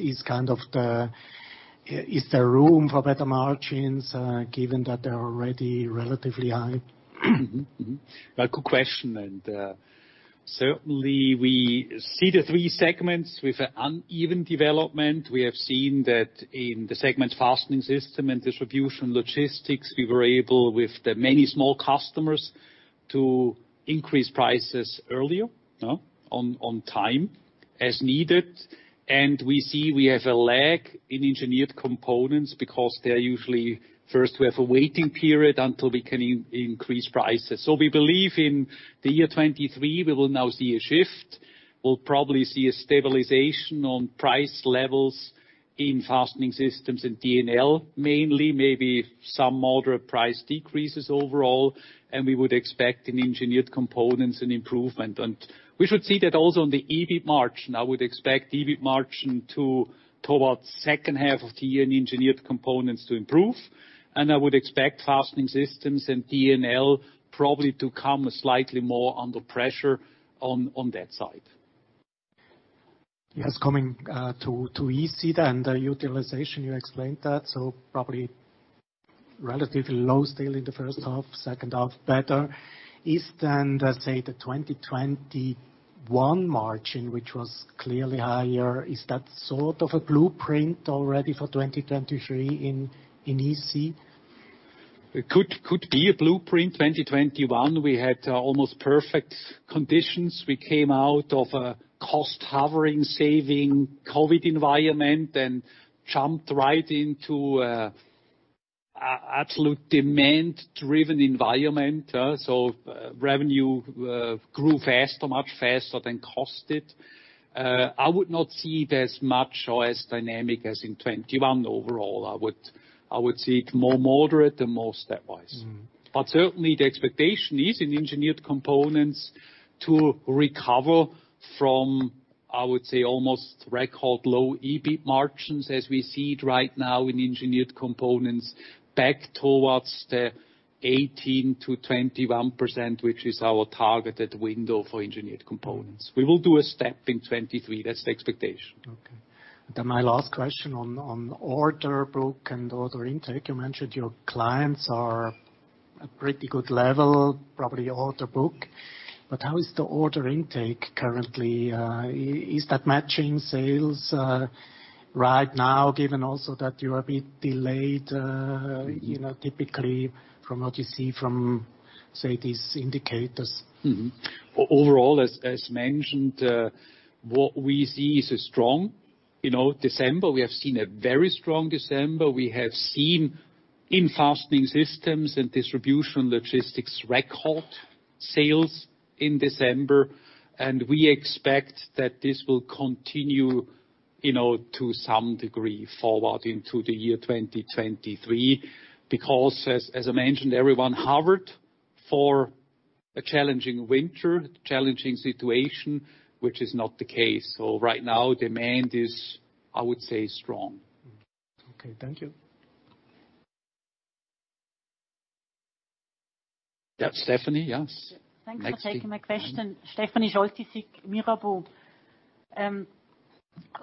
Is there room for better margins given that they're already relatively high? Mm-hmm. Mm-hmm. Well, good question. Certainly we see the three segments with an uneven development. We have seen that in the segment Fastening Systems and Distribution & Logistics, we were able with the many small customers to increase prices earlier, no, on time as needed. We see we have a lag in Engineered Components because they're usually first we have a waiting period until we can increase prices. We believe in the year 23, we will now see a shift. We'll probably see a stabilization on price levels in Fastening Systems and D&L mainly, maybe some moderate price decreases overall, we would expect in Engineered Components an improvement. We should see that also on the EBIT margin. I would expect EBIT margin to, toward second half of the year in Engineered Components to improve, and I would expect Fastening Systems and D&L probably to come slightly more under pressure on that side. Yes. Coming to EC and the utilization, you explained that, probably relatively low still in the first half, second half better. Is, let's say, the 2021 margin, which was clearly higher, is that sort of a blueprint already for 2023 in EC? It could be a blueprint. 2021, we had almost perfect conditions. We came out of a cost-hovering saving COVID environment and jumped right into absolute demand driven environment, so, revenue grew faster, much faster than cost did. I would not see it as much or as dynamic as in 2021 overall. I would see it more moderate and more stepwise. Mm-hmm. Certainly the expectation is in Engineered Components to recover from, I would say, almost record low EBIT margins as we see it right now in Engineered Components back towards the 18%-21%, which is our targeted window for Engineered Components. We will do a step in 2023. That's the expectation. My last question on the order book and order intake. You mentioned your clients are at pretty good level, probably order book. How is the order intake currently? Is that matching sales right now, given also that you are a bit delayed, you know, typically from what you see from, say, these indicators? Overall, as mentioned, what we see is a strong, you know, December. We have seen a very strong December. We have seen in Fastening Systems and Distribution & Logistics, record sales in December, and we expect that this will continue, you know, to some degree forward into the year 2023. As I mentioned, everyone harbored for a challenging winter, challenging situation, which is not the case. Right now, demand is, I would say, strong. Okay. Thank you. Yeah, Stephanie, yes. Thanks for taking my question. Stefanie Scholtysik, Mirabaud.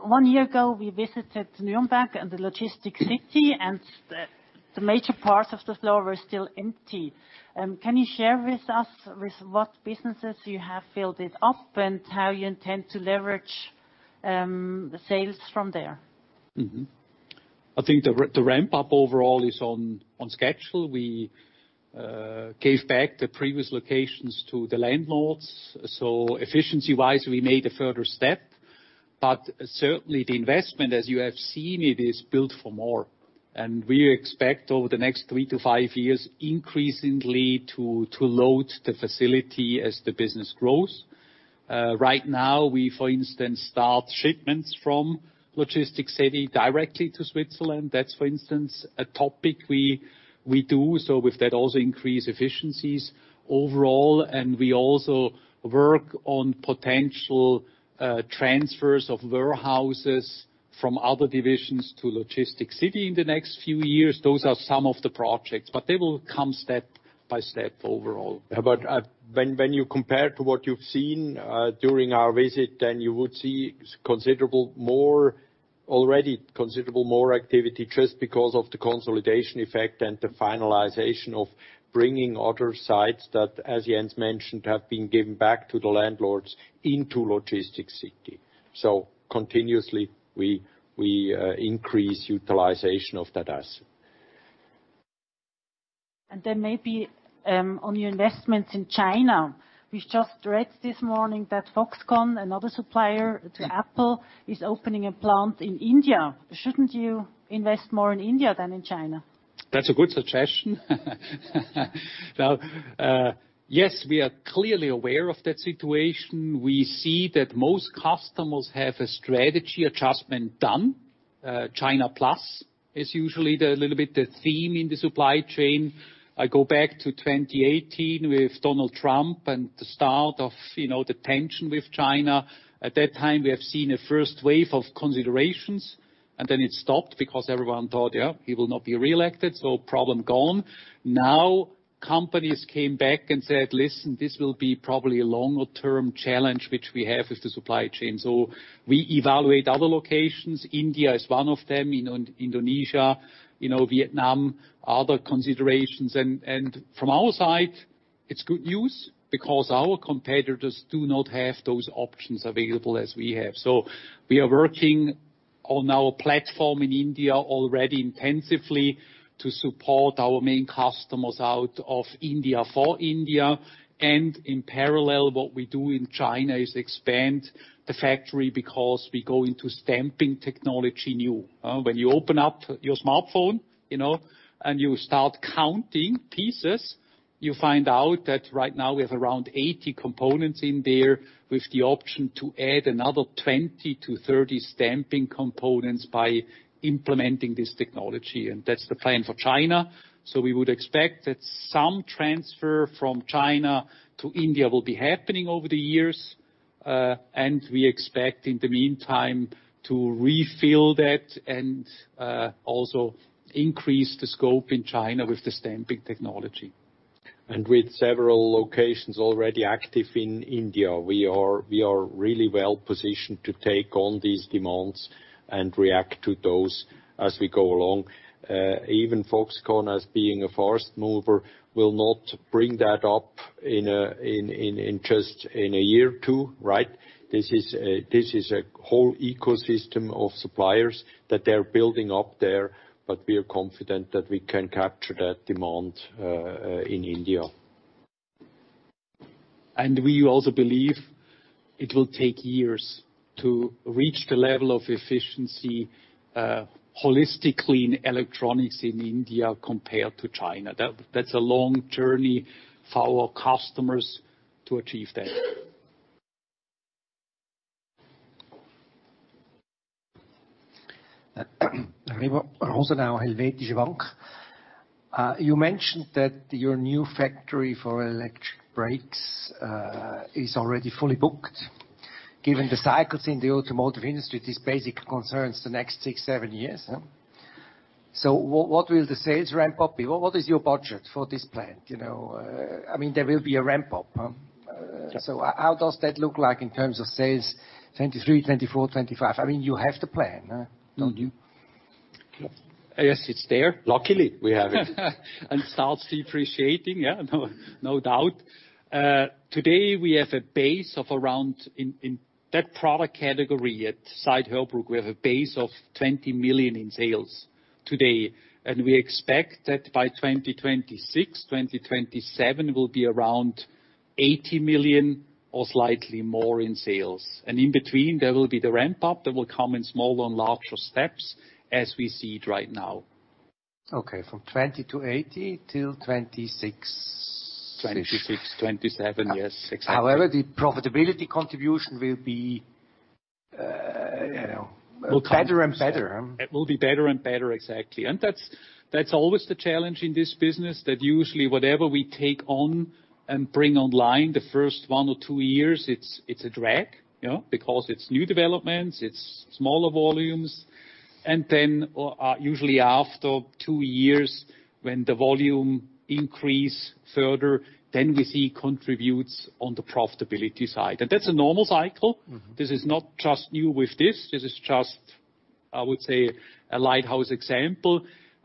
One year ago, we visited Nuremberg and the Logistic City, and the major parts of the floor were still empty. Can you share with us with what businesses you have filled it up, and how you intend to leverage the sales from there? I think the ramp up overall is on schedule. We gave back the previous locations to the landlords. Efficiency-wise, we made a further step, but certainly the investment, as you have seen, it is built for more. We expect over the next three to five years increasingly to load the facility as the business grows. Right now we, for instance, start shipments from Logistic City directly to Switzerland. That's for instance a topic we do, so with that also increase efficiencies overall, and we also work on potential transfers of warehouses from other divisions to Logistic City in the next few years. Those are some of the projects. They will come step by step overall. When you compare to what you've seen during our visit, then you would see considerable more, already considerable more activity just because of the consolidation effect and the finalization of bringing other sites that, as Jens mentioned, have been given back to the landlords into Logistic City. Continuously, we increase utilization of that asset. Maybe on your investments in China, we just read this morning that Foxconn, another supplier to Apple, is opening a plant in India. Shouldn't you invest more in India than in China? That's a good suggestion. Now, yes, we are clearly aware of that situation. We see that most customers have a strategy adjustment done. China Plus is usually the little bit the theme in the supply chain. I go back to 2018 with Donald Trump and the start of, you know, the tension with China. At that time, we have seen a first wave of considerations, and then it stopped because everyone thought, yeah, he will not be reelected, so problem gone. Companies came back and said, "Listen, this will be probably a longer-term challenge which we have with the supply chain." We evaluate other locations. India is one of them, you know, and Indonesia, you know, Vietnam, other considerations. From our side, it's good news because our competitors do not have those options available as we have. We are working on our platform in India already intensively to support our main customers out of India, for India. In parallel, what we do in China is expand the factory because we go into stamping technology new. When you open up your smartphone, you know, and you start counting pieces, you find out that right now we have around 80 components in there with the option to add another 20-30 stamping components by implementing this technology. That's the plan for China. We would expect that some transfer from China to India will be happening over the years, and we expect in the meantime to refill that and also increase the scope in China with the stamping technology. With several locations already active in India, we are really well positioned to take on these demands and react to those as we go along. Even Foxconn as being a fast mover will not bring that up in just in a year or two, right? This is a whole ecosystem of suppliers that they're building up there, but we are confident that we can capture that demand in India. We also believe it will take years to reach the level of efficiency, holistically in electronics in India compared to China. That's a long journey for our customers to achieve that. Remo Rosenau, Helvetische Bank. You mentioned that your new factory for electric brakes, is already fully booked. Given the cycles in the automotive industry, this basic concerns the next six, seven years, huh? What will the sales ramp-up be? What is your budget for this plant, you know? I mean, there will be a ramp-up, huh? Yes. How does that look like in terms of sales 2023, 2024, 2025? I mean, you have to plan, huh, don't you? Yes, it's there. Luckily, we have it. Starts depreciating, yeah, no doubt. In that product category at site Hürth-Bruck, we have a base of 20 million in sales today, and we expect that by 2026, 2027, it will be around 80 million or slightly more in sales. In between, there will be the ramp-up that will come in smaller and larger steps as we see it right now. Okay, from 20-80 till 2026. 2026, 2027, yes. Exactly. The profitability contribution will be, you know. Will come. better and better, huh? It will be better and better, exactly. That's always the challenge in this business, that usually whatever we take on and bring online, the first one or two years, it's a drag, you know. Because it's new developments, it's smaller volumes. Then, usually after two years, when the volume increase further, then we see contributes on the profitability side. That's a normal cycle. Mm-hmm. This is not just new with this. This is just, I would say, a lighthouse example.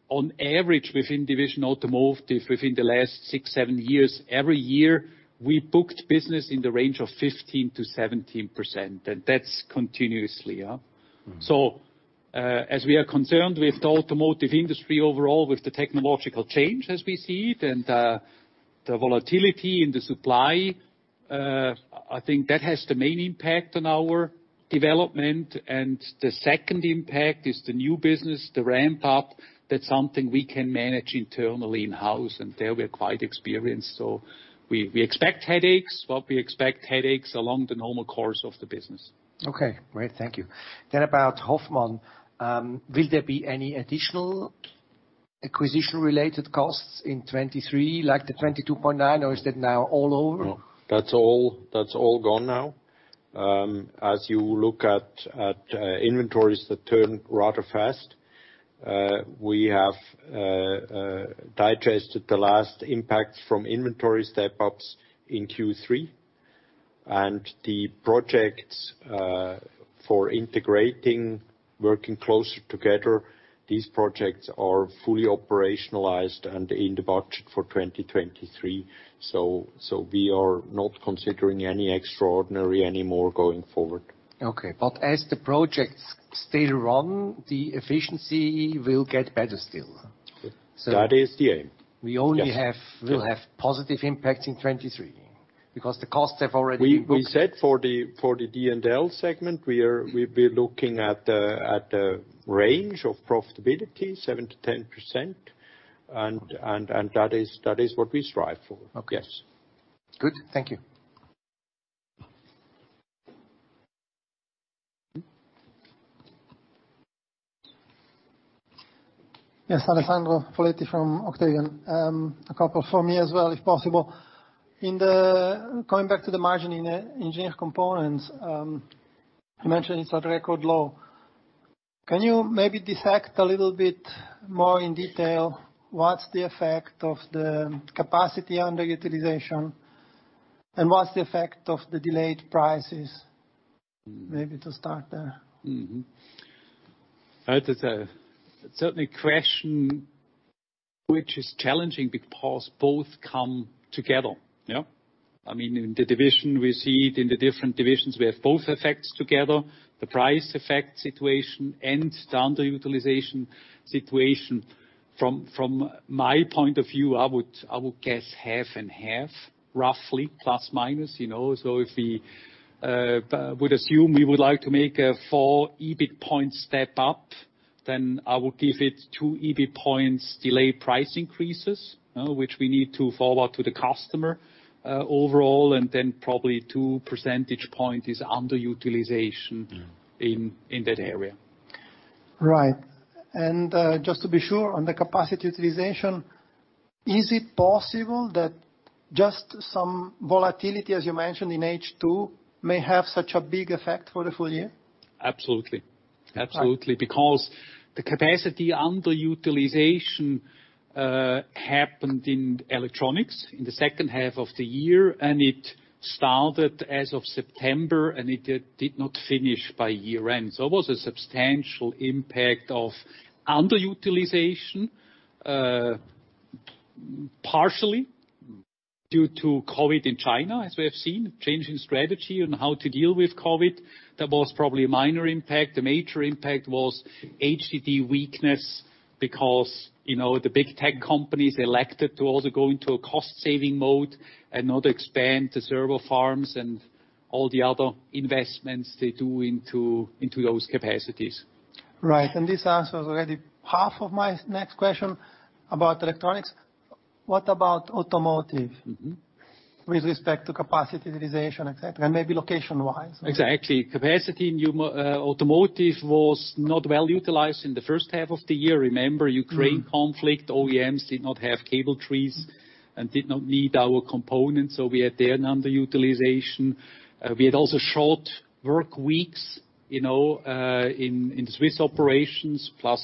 On average, within division automotive, within the last six, seven years, every year, we booked business in the range of 15%-17%, that's continuously, yeah? Mm-hmm. As we are concerned with the automotive industry overall, with the technological change as we see it and the volatility in the supply, I think that has the main impact on our development. The second impact is the new business, the ramp-up. That's something we can manage internally in-house, and there we are quite experienced, so. We expect headaches, but we expect headaches along the normal course of the business. Okay. Great, thank you. About Hoffmann, will there be any additional acquisition-related costs in 2023, like the 22.9, or is that now all over? No. That's all, that's all gone now. As you look at inventories that turn rather fast, we have digested the last impact from inventory step-ups in Q3. The projects for integrating, working closer together, these projects are fully operationalized and in the budget for 2023. We are not considering any extraordinary anymore going forward. Okay. As the projects still run, the efficiency will get better still. That is the aim. We only have. Yes. will have positive impact in 2023 because the costs have already been booked. We said for the D&L segment, we'll be looking at the range of profitability, 7%-10%, and that is what we strive for. Okay. Yes. Good. Thank you. Mm-hmm. Yes. Alessandro Foletti from Octavian AG. A couple from me as well, if possible. Going back to the margin in Engineered Components, you mentioned it's at record low. Can you maybe dissect a little bit more in detail what's the effect of the capacity underutilization, and what's the effect of the delayed prices? Maybe to start there. Mm-hmm. Right. That's, it's certainly a question which is challenging because both come together, yeah? I mean, in the division, we see it in the different divisions. We have both effects together, the price effect situation and the underutilization situation. From my point of view, I would guess half and half, roughly, plus, minus, you know. If we would assume we would like to make a 4 EB points step up, then I would give it 2 EB points delay price increases, which we need to follow up to the customer, overall, and then probably 2 percentage point is underutilization- Mm-hmm. in that area. Right. Just to be sure on the capacity utilization, is it possible that just some volatility, as you mentioned, in H2, may have such a big effect for the full year? Absolutely. Absolutely. Right. The capacity underutilization happened in electronics in the second half of the year. It started as of September, and it did not finish by year-end. It was a substantial impact of underutilization partially due to COVID in China, as we have seen, change in strategy on how to deal with COVID. That was probably a minor impact. The major impact was HDD weakness because, you know, the big tech companies elected to also go into a cost saving mode and not expand the server farms and all the other investments they do into those capacities. Right. This answers already half of my next question about electronics. What about automotive? Mm-hmm. -with respect to capacity utilization, et cetera, and maybe location-wise? Exactly. Capacity in automotive was not well utilized in the first half of the year. Remember, Ukraine conflict, OEMs did not have cable trees and did not need our components. We had there underutilization. We had also short work weeks, you know, in the Swiss operations, plus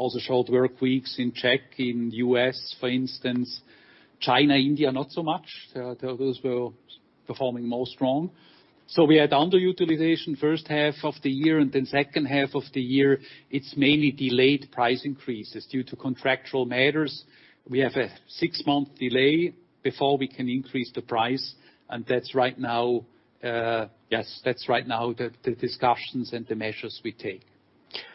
also short work weeks in Czech, in U.S., for instance. China, India, not so much. Those were performing more strong. We had underutilization first half of the year. Second half of the year, it's mainly delayed price increases due to contractual matters. We have a six-month delay before we can increase the price. That's right now the discussions and the measures we take.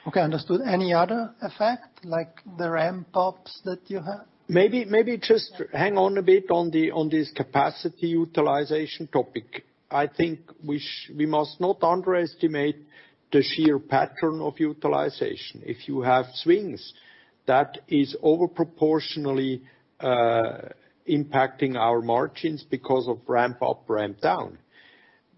Okay. Understood. Any other effect, like the ramp ups that you have? Maybe just hang on a bit on the, on this capacity utilization topic. I think we must not underestimate the sheer pattern of utilization. If you have swings, that is over proportionally impacting our margins because of ramp up, ramp down.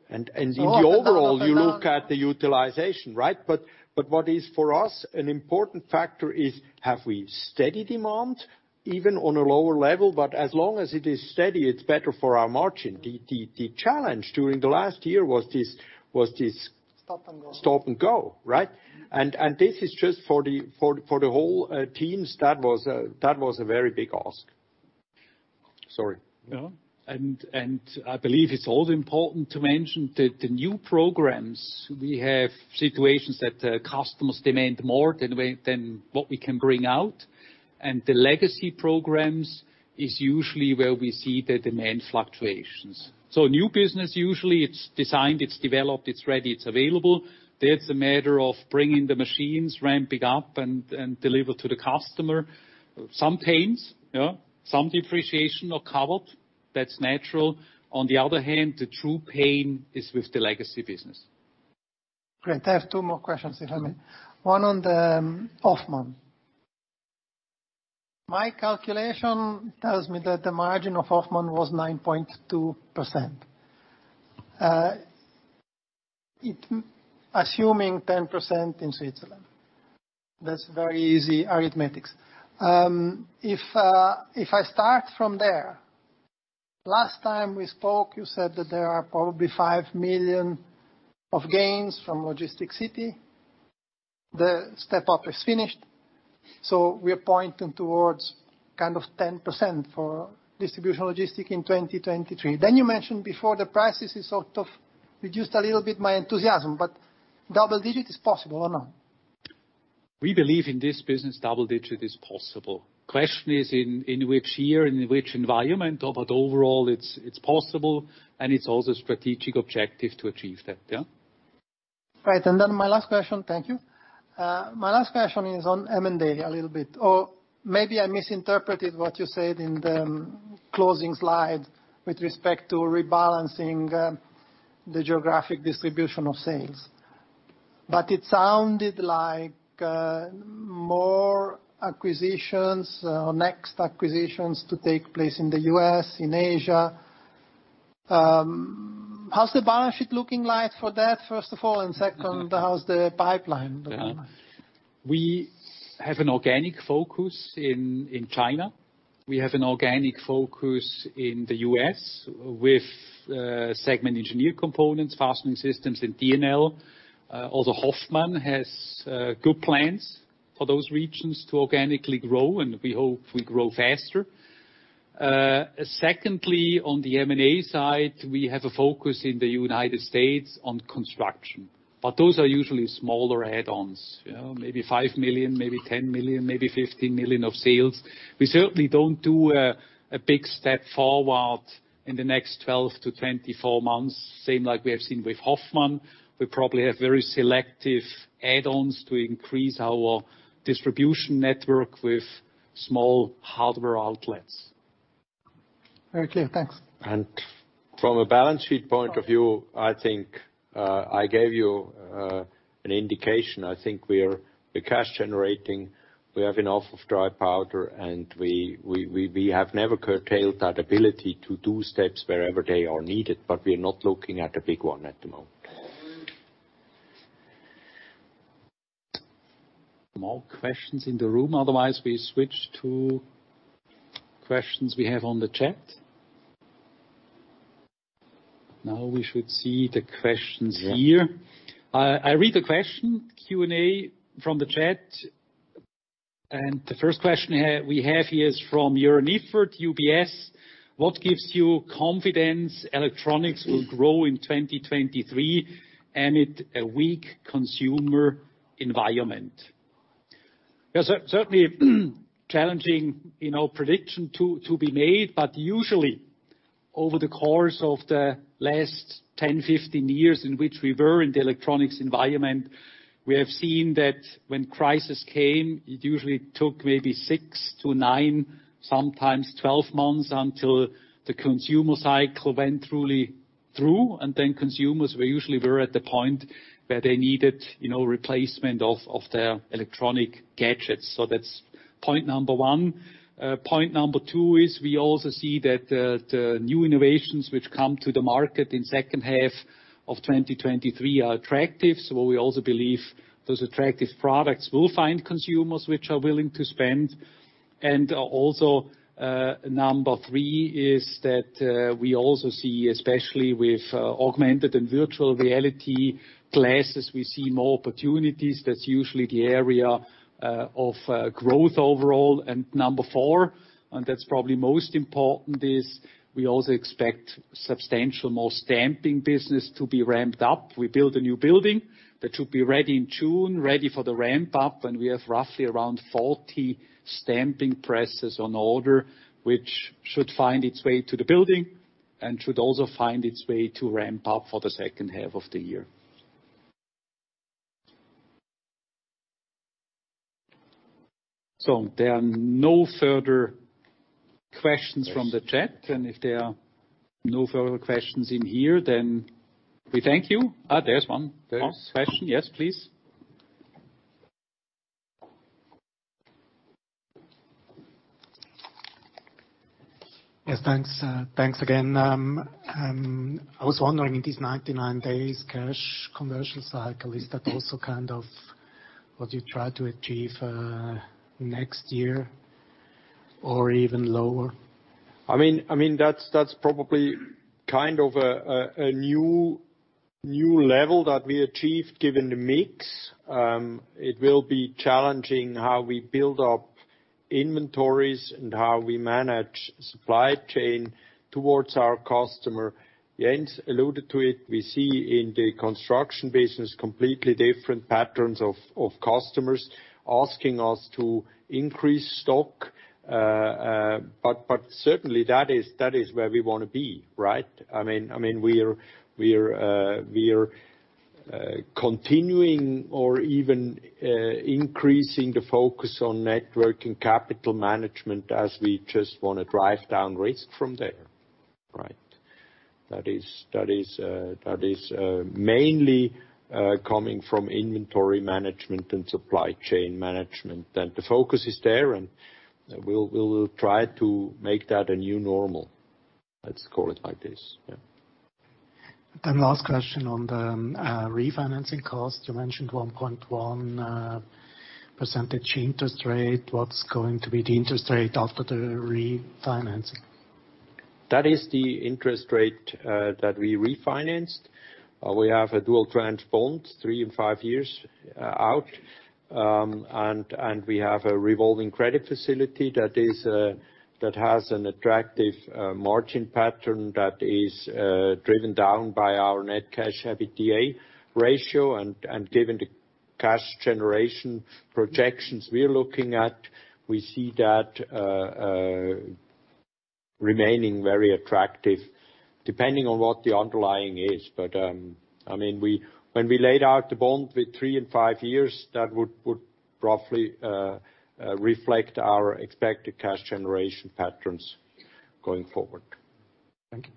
In the overall, you look at the utilization, right? What is for us an important factor is have we steady demand even on a lower level? As long as it is steady, it's better for our margin. The challenge during the last year was this. Stop and go. Stop and go, right? This is just for the whole teams, that was a very big ask. Sorry. No. I believe it's also important to mention that the new programs, we have situations that customers demand more than what we can bring out. The legacy programs is usually where we see the demand fluctuations. New business, usually it's designed, it's developed, it's ready, it's available. That's a matter of bringing the machines, ramping up, and deliver to the customer. Some pains, you know, some depreciation or cupboard, that's natural. On the other hand, the true pain is with the legacy business. Great. I have two more questions if I may. One on the Hoffmann. My calculation tells me that the margin of Hoffmann was 9.2%. assuming 10% in Switzerland, that's very easy arithmetics. If I start from there, last time we spoke you said that there are probably 5 million of gains from Logistic City. The step-up is finished, so we are pointing towards kind of 10% for Distribution & Logistics in 2023. You mentioned before the prices is sort of reduced a little bit my enthusiasm, but double-digit is possible or not? We believe in this business, double-digit is possible. Question is in which year, in which environment, Overall it's possible and it's also strategic objective to achieve that, yeah. Right. My last question. Thank you. My last question is on M&A a little bit, or maybe I misinterpreted what you said in the closing slide with respect to rebalancing, the geographic distribution of sales. It sounded like, more acquisitions or next acquisitions to take place in the US, in Asia. How's the balance sheet looking like for that, first of all? Second, how's the pipeline looking like? We have an organic focus in China. We have an organic focus in the US with segment Engineered Components, Fastening Systems, and D&L. Although Hoffmann has good plans for those regions to organically grow, and we hope we grow faster. Secondly, on the M&A side, we have a focus in the United States on construction. Those are usually smaller add-ons, you know, maybe 5 million, maybe 10 million, maybe 15 million of sales. We certainly don't do a big step forward in the next 12 to 24 months, same like we have seen with Hoffmann. We probably have very selective add-ons to increase our distribution network with small hardware outlets. Very clear. Thanks. From a balance sheet point of view, I think I gave you an indication. I think we're the cash generating, we have enough of dry powder, and we have never curtailed that ability to do steps wherever they are needed, but we're not looking at a big one at the moment. More questions in the room? Otherwise, we switch to questions we have on the chat. Now we should see the questions here. Yeah. I read the question, Q&A from the chat. The first question we have here is from Joern Iffert, UBS. What gives you confidence electronics will grow in 2023 amid a weak consumer environment? Yes, certainly challenging, you know, prediction to be made, but usually over the course of the last 10, 15 years in which we were in the electronics environment, we have seen that when crisis came, it usually took maybe six to nine, sometimes 12 months until the consumer cycle went really. -through, then consumers were usually at the point where they needed, you know, replacement of their electronic gadgets. That's point number one. Point number two is we also see that the new innovations which come to the market in second half of 2023 are attractive. We also believe those attractive products will find consumers which are willing to spend. Also, number three is that we also see, especially with augmented and virtual reality classes, we see more opportunities. That's usually the area of growth overall. Number four, and that's probably most important, is we also expect substantial more stamping business to be ramped up. We built a new building that should be ready in June, ready for the ramp up, and we have roughly around 40 stamping presses on order, which should find its way to the building and should also find its way to ramp up for the second half of the year. There are no further questions from the chat. If there are no further questions in here, then we thank you. There's one. There is. One question. Yes, please. Yes, thanks. Thanks again. I was wondering in this 99 days cash conversion cycle, is that also kind of what you try to achieve next year or even lower? I mean, that's probably kind of a new level that we achieved given the mix. It will be challenging how we build up inventories and how we manage supply chain towards our customer. Jens alluded to it. We see in the construction business completely different patterns of customers asking us to increase stock. Certainly that is where we wanna be, right? I mean, we're continuing or even increasing the focus on networking capital management as we just wanna drive down risk from there, right? That is mainly coming from inventory management and supply chain management. The focus is there, and we'll try to make that a new normal. Let's call it like this. Yeah. Last question on the refinancing costs. You mentioned 1.1% interest rate. What's going to be the interest rate after the refinancing? That is the interest rate that we refinanced. We have a dual tranche bond, three and five years out. We have a revolving credit facility that is that has an attractive margin pattern that is driven down by our net cash EBITDA ratio. Given the cash generation projections we're looking at, we see that remaining very attractive depending on what the underlying is. I mean, when we laid out the bond with three and five years, that would roughly reflect our expected cash generation patterns going forward. Thank you.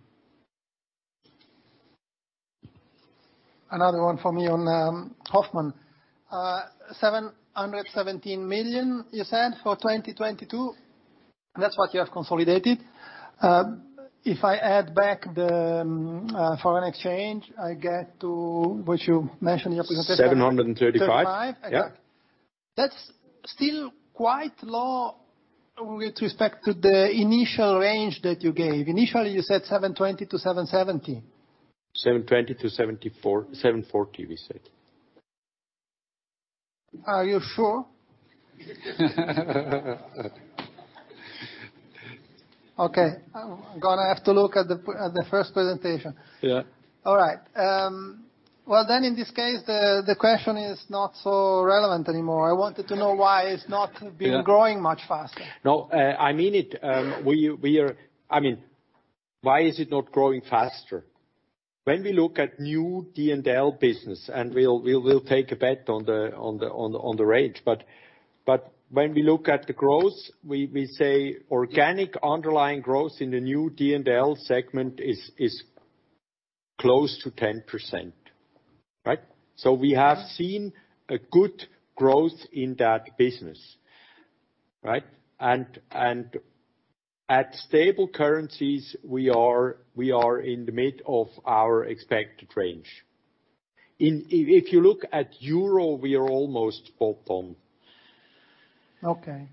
Another one for me on Hoffmann. 717 million you said for 2022. That is what you have consolidated. If I add back the foreign exchange, I get to what you mentioned in your presentation. 735. 35? Yeah. That's still quite low with respect to the initial range that you gave. Initially, you said 720-770. 720-740, we said. Are you sure? Okay, I'm gonna have to look at the first presentation. Yeah. All right. Well in this case, the question is not so relevant anymore. I wanted to know why it's not been growing much faster. No, I mean it. We are, I mean, why is it not growing faster? When we look at new D&L business, and we will take a bet on the range. When we look at the growth, we say organic underlying growth in the new D&L segment is close to 10%, right? We have seen a good growth in that business, right? At stable currencies, we are in the mid of our expected range. If you look at EUR, we are almost spot on. Okay.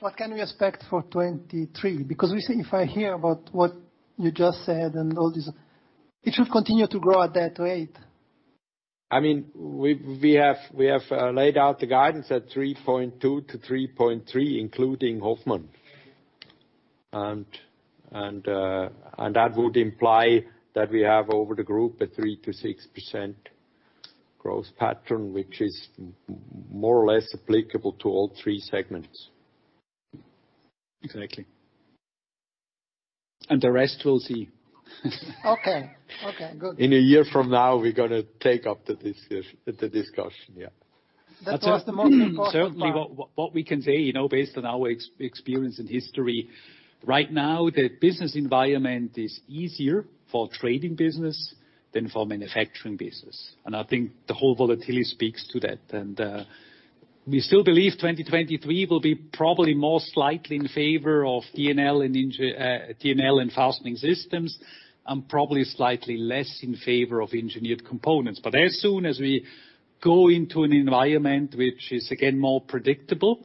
What can we expect for 23? If I hear about what you just said and all this, it should continue to grow at that rate. I mean, we've, we have, laid out the guidance at 3.2-3.3, including Hoffmann. That would imply that we have over the group a 3%-6% growth pattern, which is more or less applicable to all three segments. Exactly. The rest we'll see. Okay. Okay, good. In a year from now, we're gonna take up the discussion, yeah. That was the most important part. Certainly what we can say, you know, based on our experience and history, right now, the business environment is easier for trading business than for manufacturing business. I think the whole volatility speaks to that. We still believe 2023 will be probably more slightly in favor of D&L and Fastening Systems, and probably slightly less in favor of Engineered Components. As soon as we go into an environment which is again more predictable,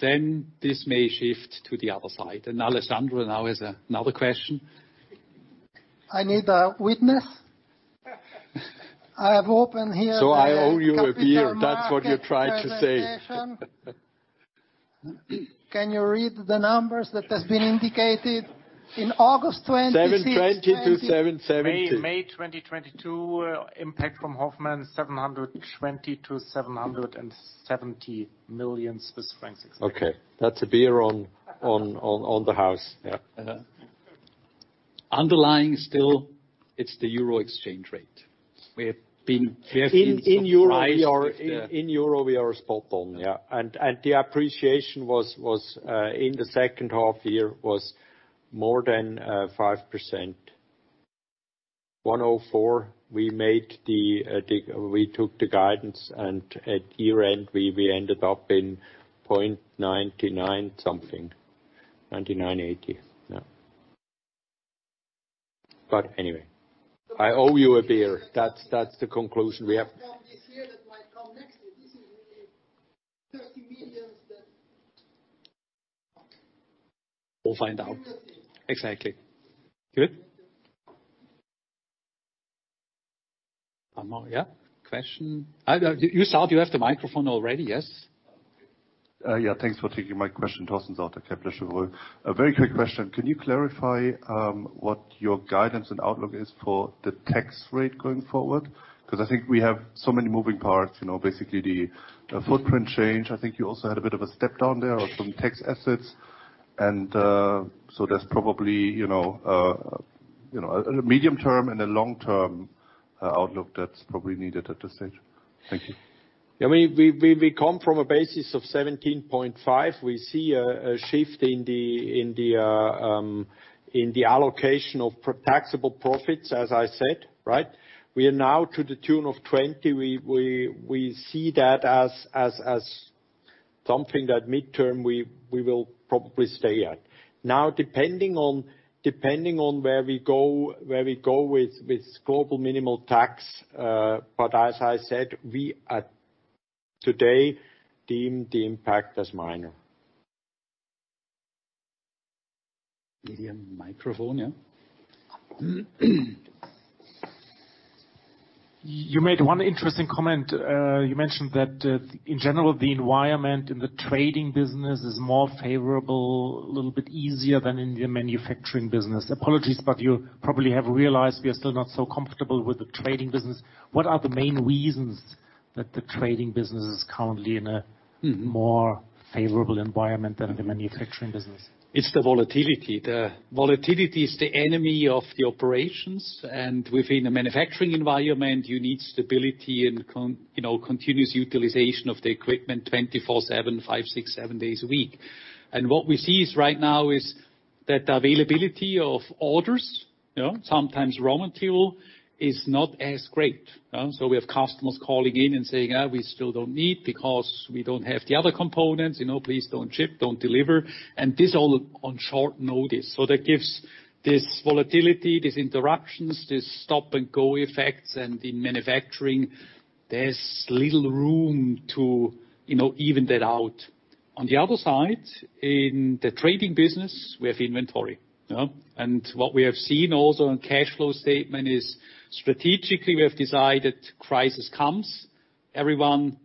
then this may shift to the other side. Alessandro now has another question. I need a witness. I have opened. I owe you a beer. That's what you're trying to say. Can you read the numbers that has been indicated in August? 720-770. May 2022, impact from Hoffmann, 720 million-770 million Swiss francs. Okay. That's a beer on the house. Yeah. Yeah. Underlying still, it's the euro exchange rate. We have been fairly surprised. In euro we are spot on. The appreciation in the second half year was more than 5%. 1.04, we made the... We took the guidance and at year-end we ended up in 0.99 something. 0.9980. Anyway, I owe you a beer. That's the conclusion. This year that might come next year. This is really 30 million that... We'll find out. Seriously. Exactly. Good? One more, yeah, question. You, sir, you have the microphone already. Yes. Yeah. Thanks for taking my question. Torsten Sauter, Kepler Cheuvreux. A very quick question. Can you clarify what your guidance and outlook is for the tax rate going forward? 'Cause I think we have so many moving parts, you know, basically the footprint change. I think you also had a bit of a step down there or some tax assets. So there's probably, you know, a medium-term and a long-term outlook that's probably needed at this stage. Thank you. I mean, we come from a basis of 17.5. We see a shift in the allocation of pro-taxable profits, as I said, right? We are now to the tune of 20. We see that as something that midterm we will probably stay at. Depending on where we go with global minimum tax, but as I said, we today deem the impact as minor. Give you a microphone, yeah. You made one interesting comment. You mentioned that, in general, the environment in the trading business is more favorable, a little bit easier than in the manufacturing business. Apologies. You probably have realized we are still not so comfortable with the trading business. What are the main reasons that the trading business is currently in a more favorable environment than the manufacturing business? It's the volatility. The volatility is the enemy of the operations. Within a manufacturing environment, you need stability and you know, continuous utilization of the equipment 24/7, five, six, seven days a week. What we see is right now is that the availability of orders, you know, sometimes raw material is not as great. We have customers calling in and saying, "We still don't need because we don't have the other components. You know, please don't ship, don't deliver." This all on short notice. That gives this volatility, these interruptions, these stop-and-go effects. In manufacturing, there's little room to, you know, even that out. On the other side, in the trading business, we have inventory. You know? What we have seen also on cash flow statement is strategically we have decided crisis comes. Everyone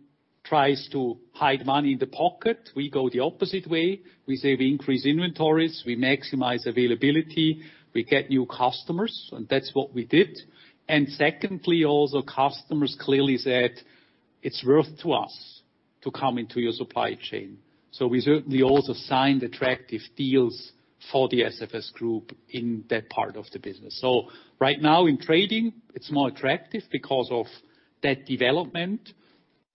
tries to hide money in the pocket. We go the opposite way. We say we increase inventories, we maximize availability, we get new customers, that's what we did. Secondly, also, customers clearly said, "It's worth to us to come into your supply chain." We certainly also signed attractive deals for the SFS Group in that part of the business. Right now in trading it's more attractive because of that development.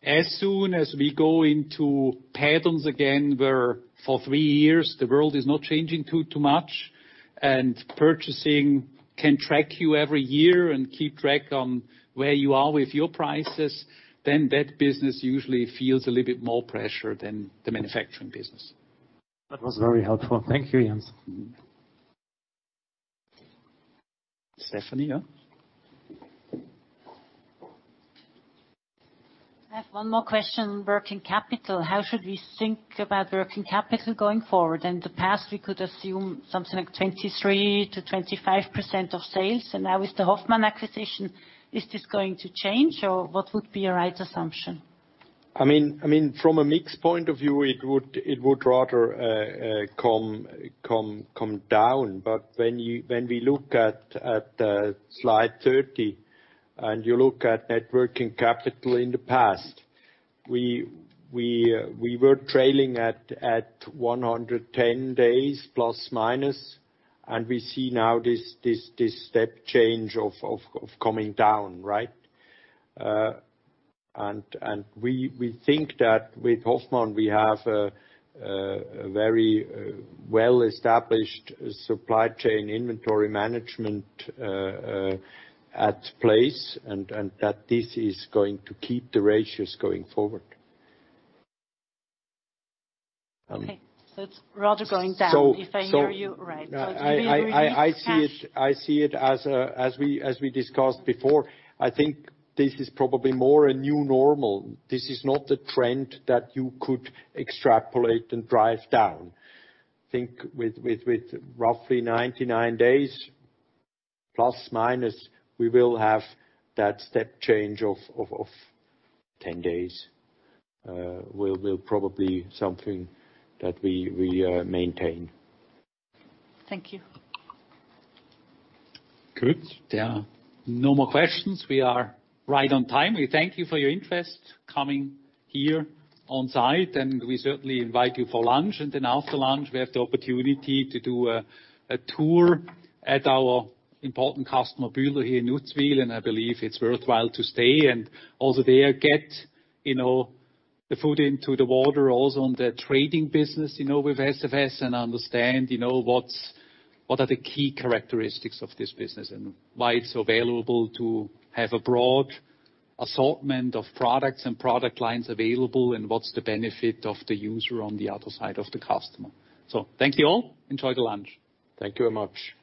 As soon as we go into patterns again where for three years the world is not changing too much and purchasing can track you every year and keep track on where you are with your prices, then that business usually feels a little bit more pressure than the manufacturing business. That was very helpful. Thank you, Jens. Mm-hmm. Stephanie, yeah. I have one more question, working capital. How should we think about working capital going forward? In the past, we could assume something like 23%-25% of sales. Now with the Hoffmann acquisition, is this going to change? Or what would be a right assumption? I mean, from a mix point of view, it would rather come down. When we look at slide 30 and you look at net working capital in the past, we were trailing at 110 days, plus, minus, and we see now this step change of coming down, right? We think that with Hoffmann, we have a very well-established supply chain inventory management at place, and that this is going to keep the ratios going forward. Okay. It's rather going down- So, so- if I hear you right. I, I, I- It will be a relief to. I see it as we discussed before, I think this is probably more a new normal. This is not a trend that you could extrapolate and drive down. Think with roughly 99 days, plus, minus, we will have that step change of 10 days, will probably something that we maintain. Thank you. Good. There are no more questions. We are right on time. We thank you for your interest coming here on site, and we certainly invite you for lunch. After lunch we have the opportunity to do a tour at our important customer, Bühler here in Uzwil, and I believe it's worthwhile to stay. Also there get, you know, the foot into the water also on the trading business, you know, with SFS and understand, you know, what are the key characteristics of this business and why it's available to have a broad assortment of products and product lines available, and what's the benefit of the user on the other side of the customer. Thank you all. Enjoy the lunch. Thank you very much.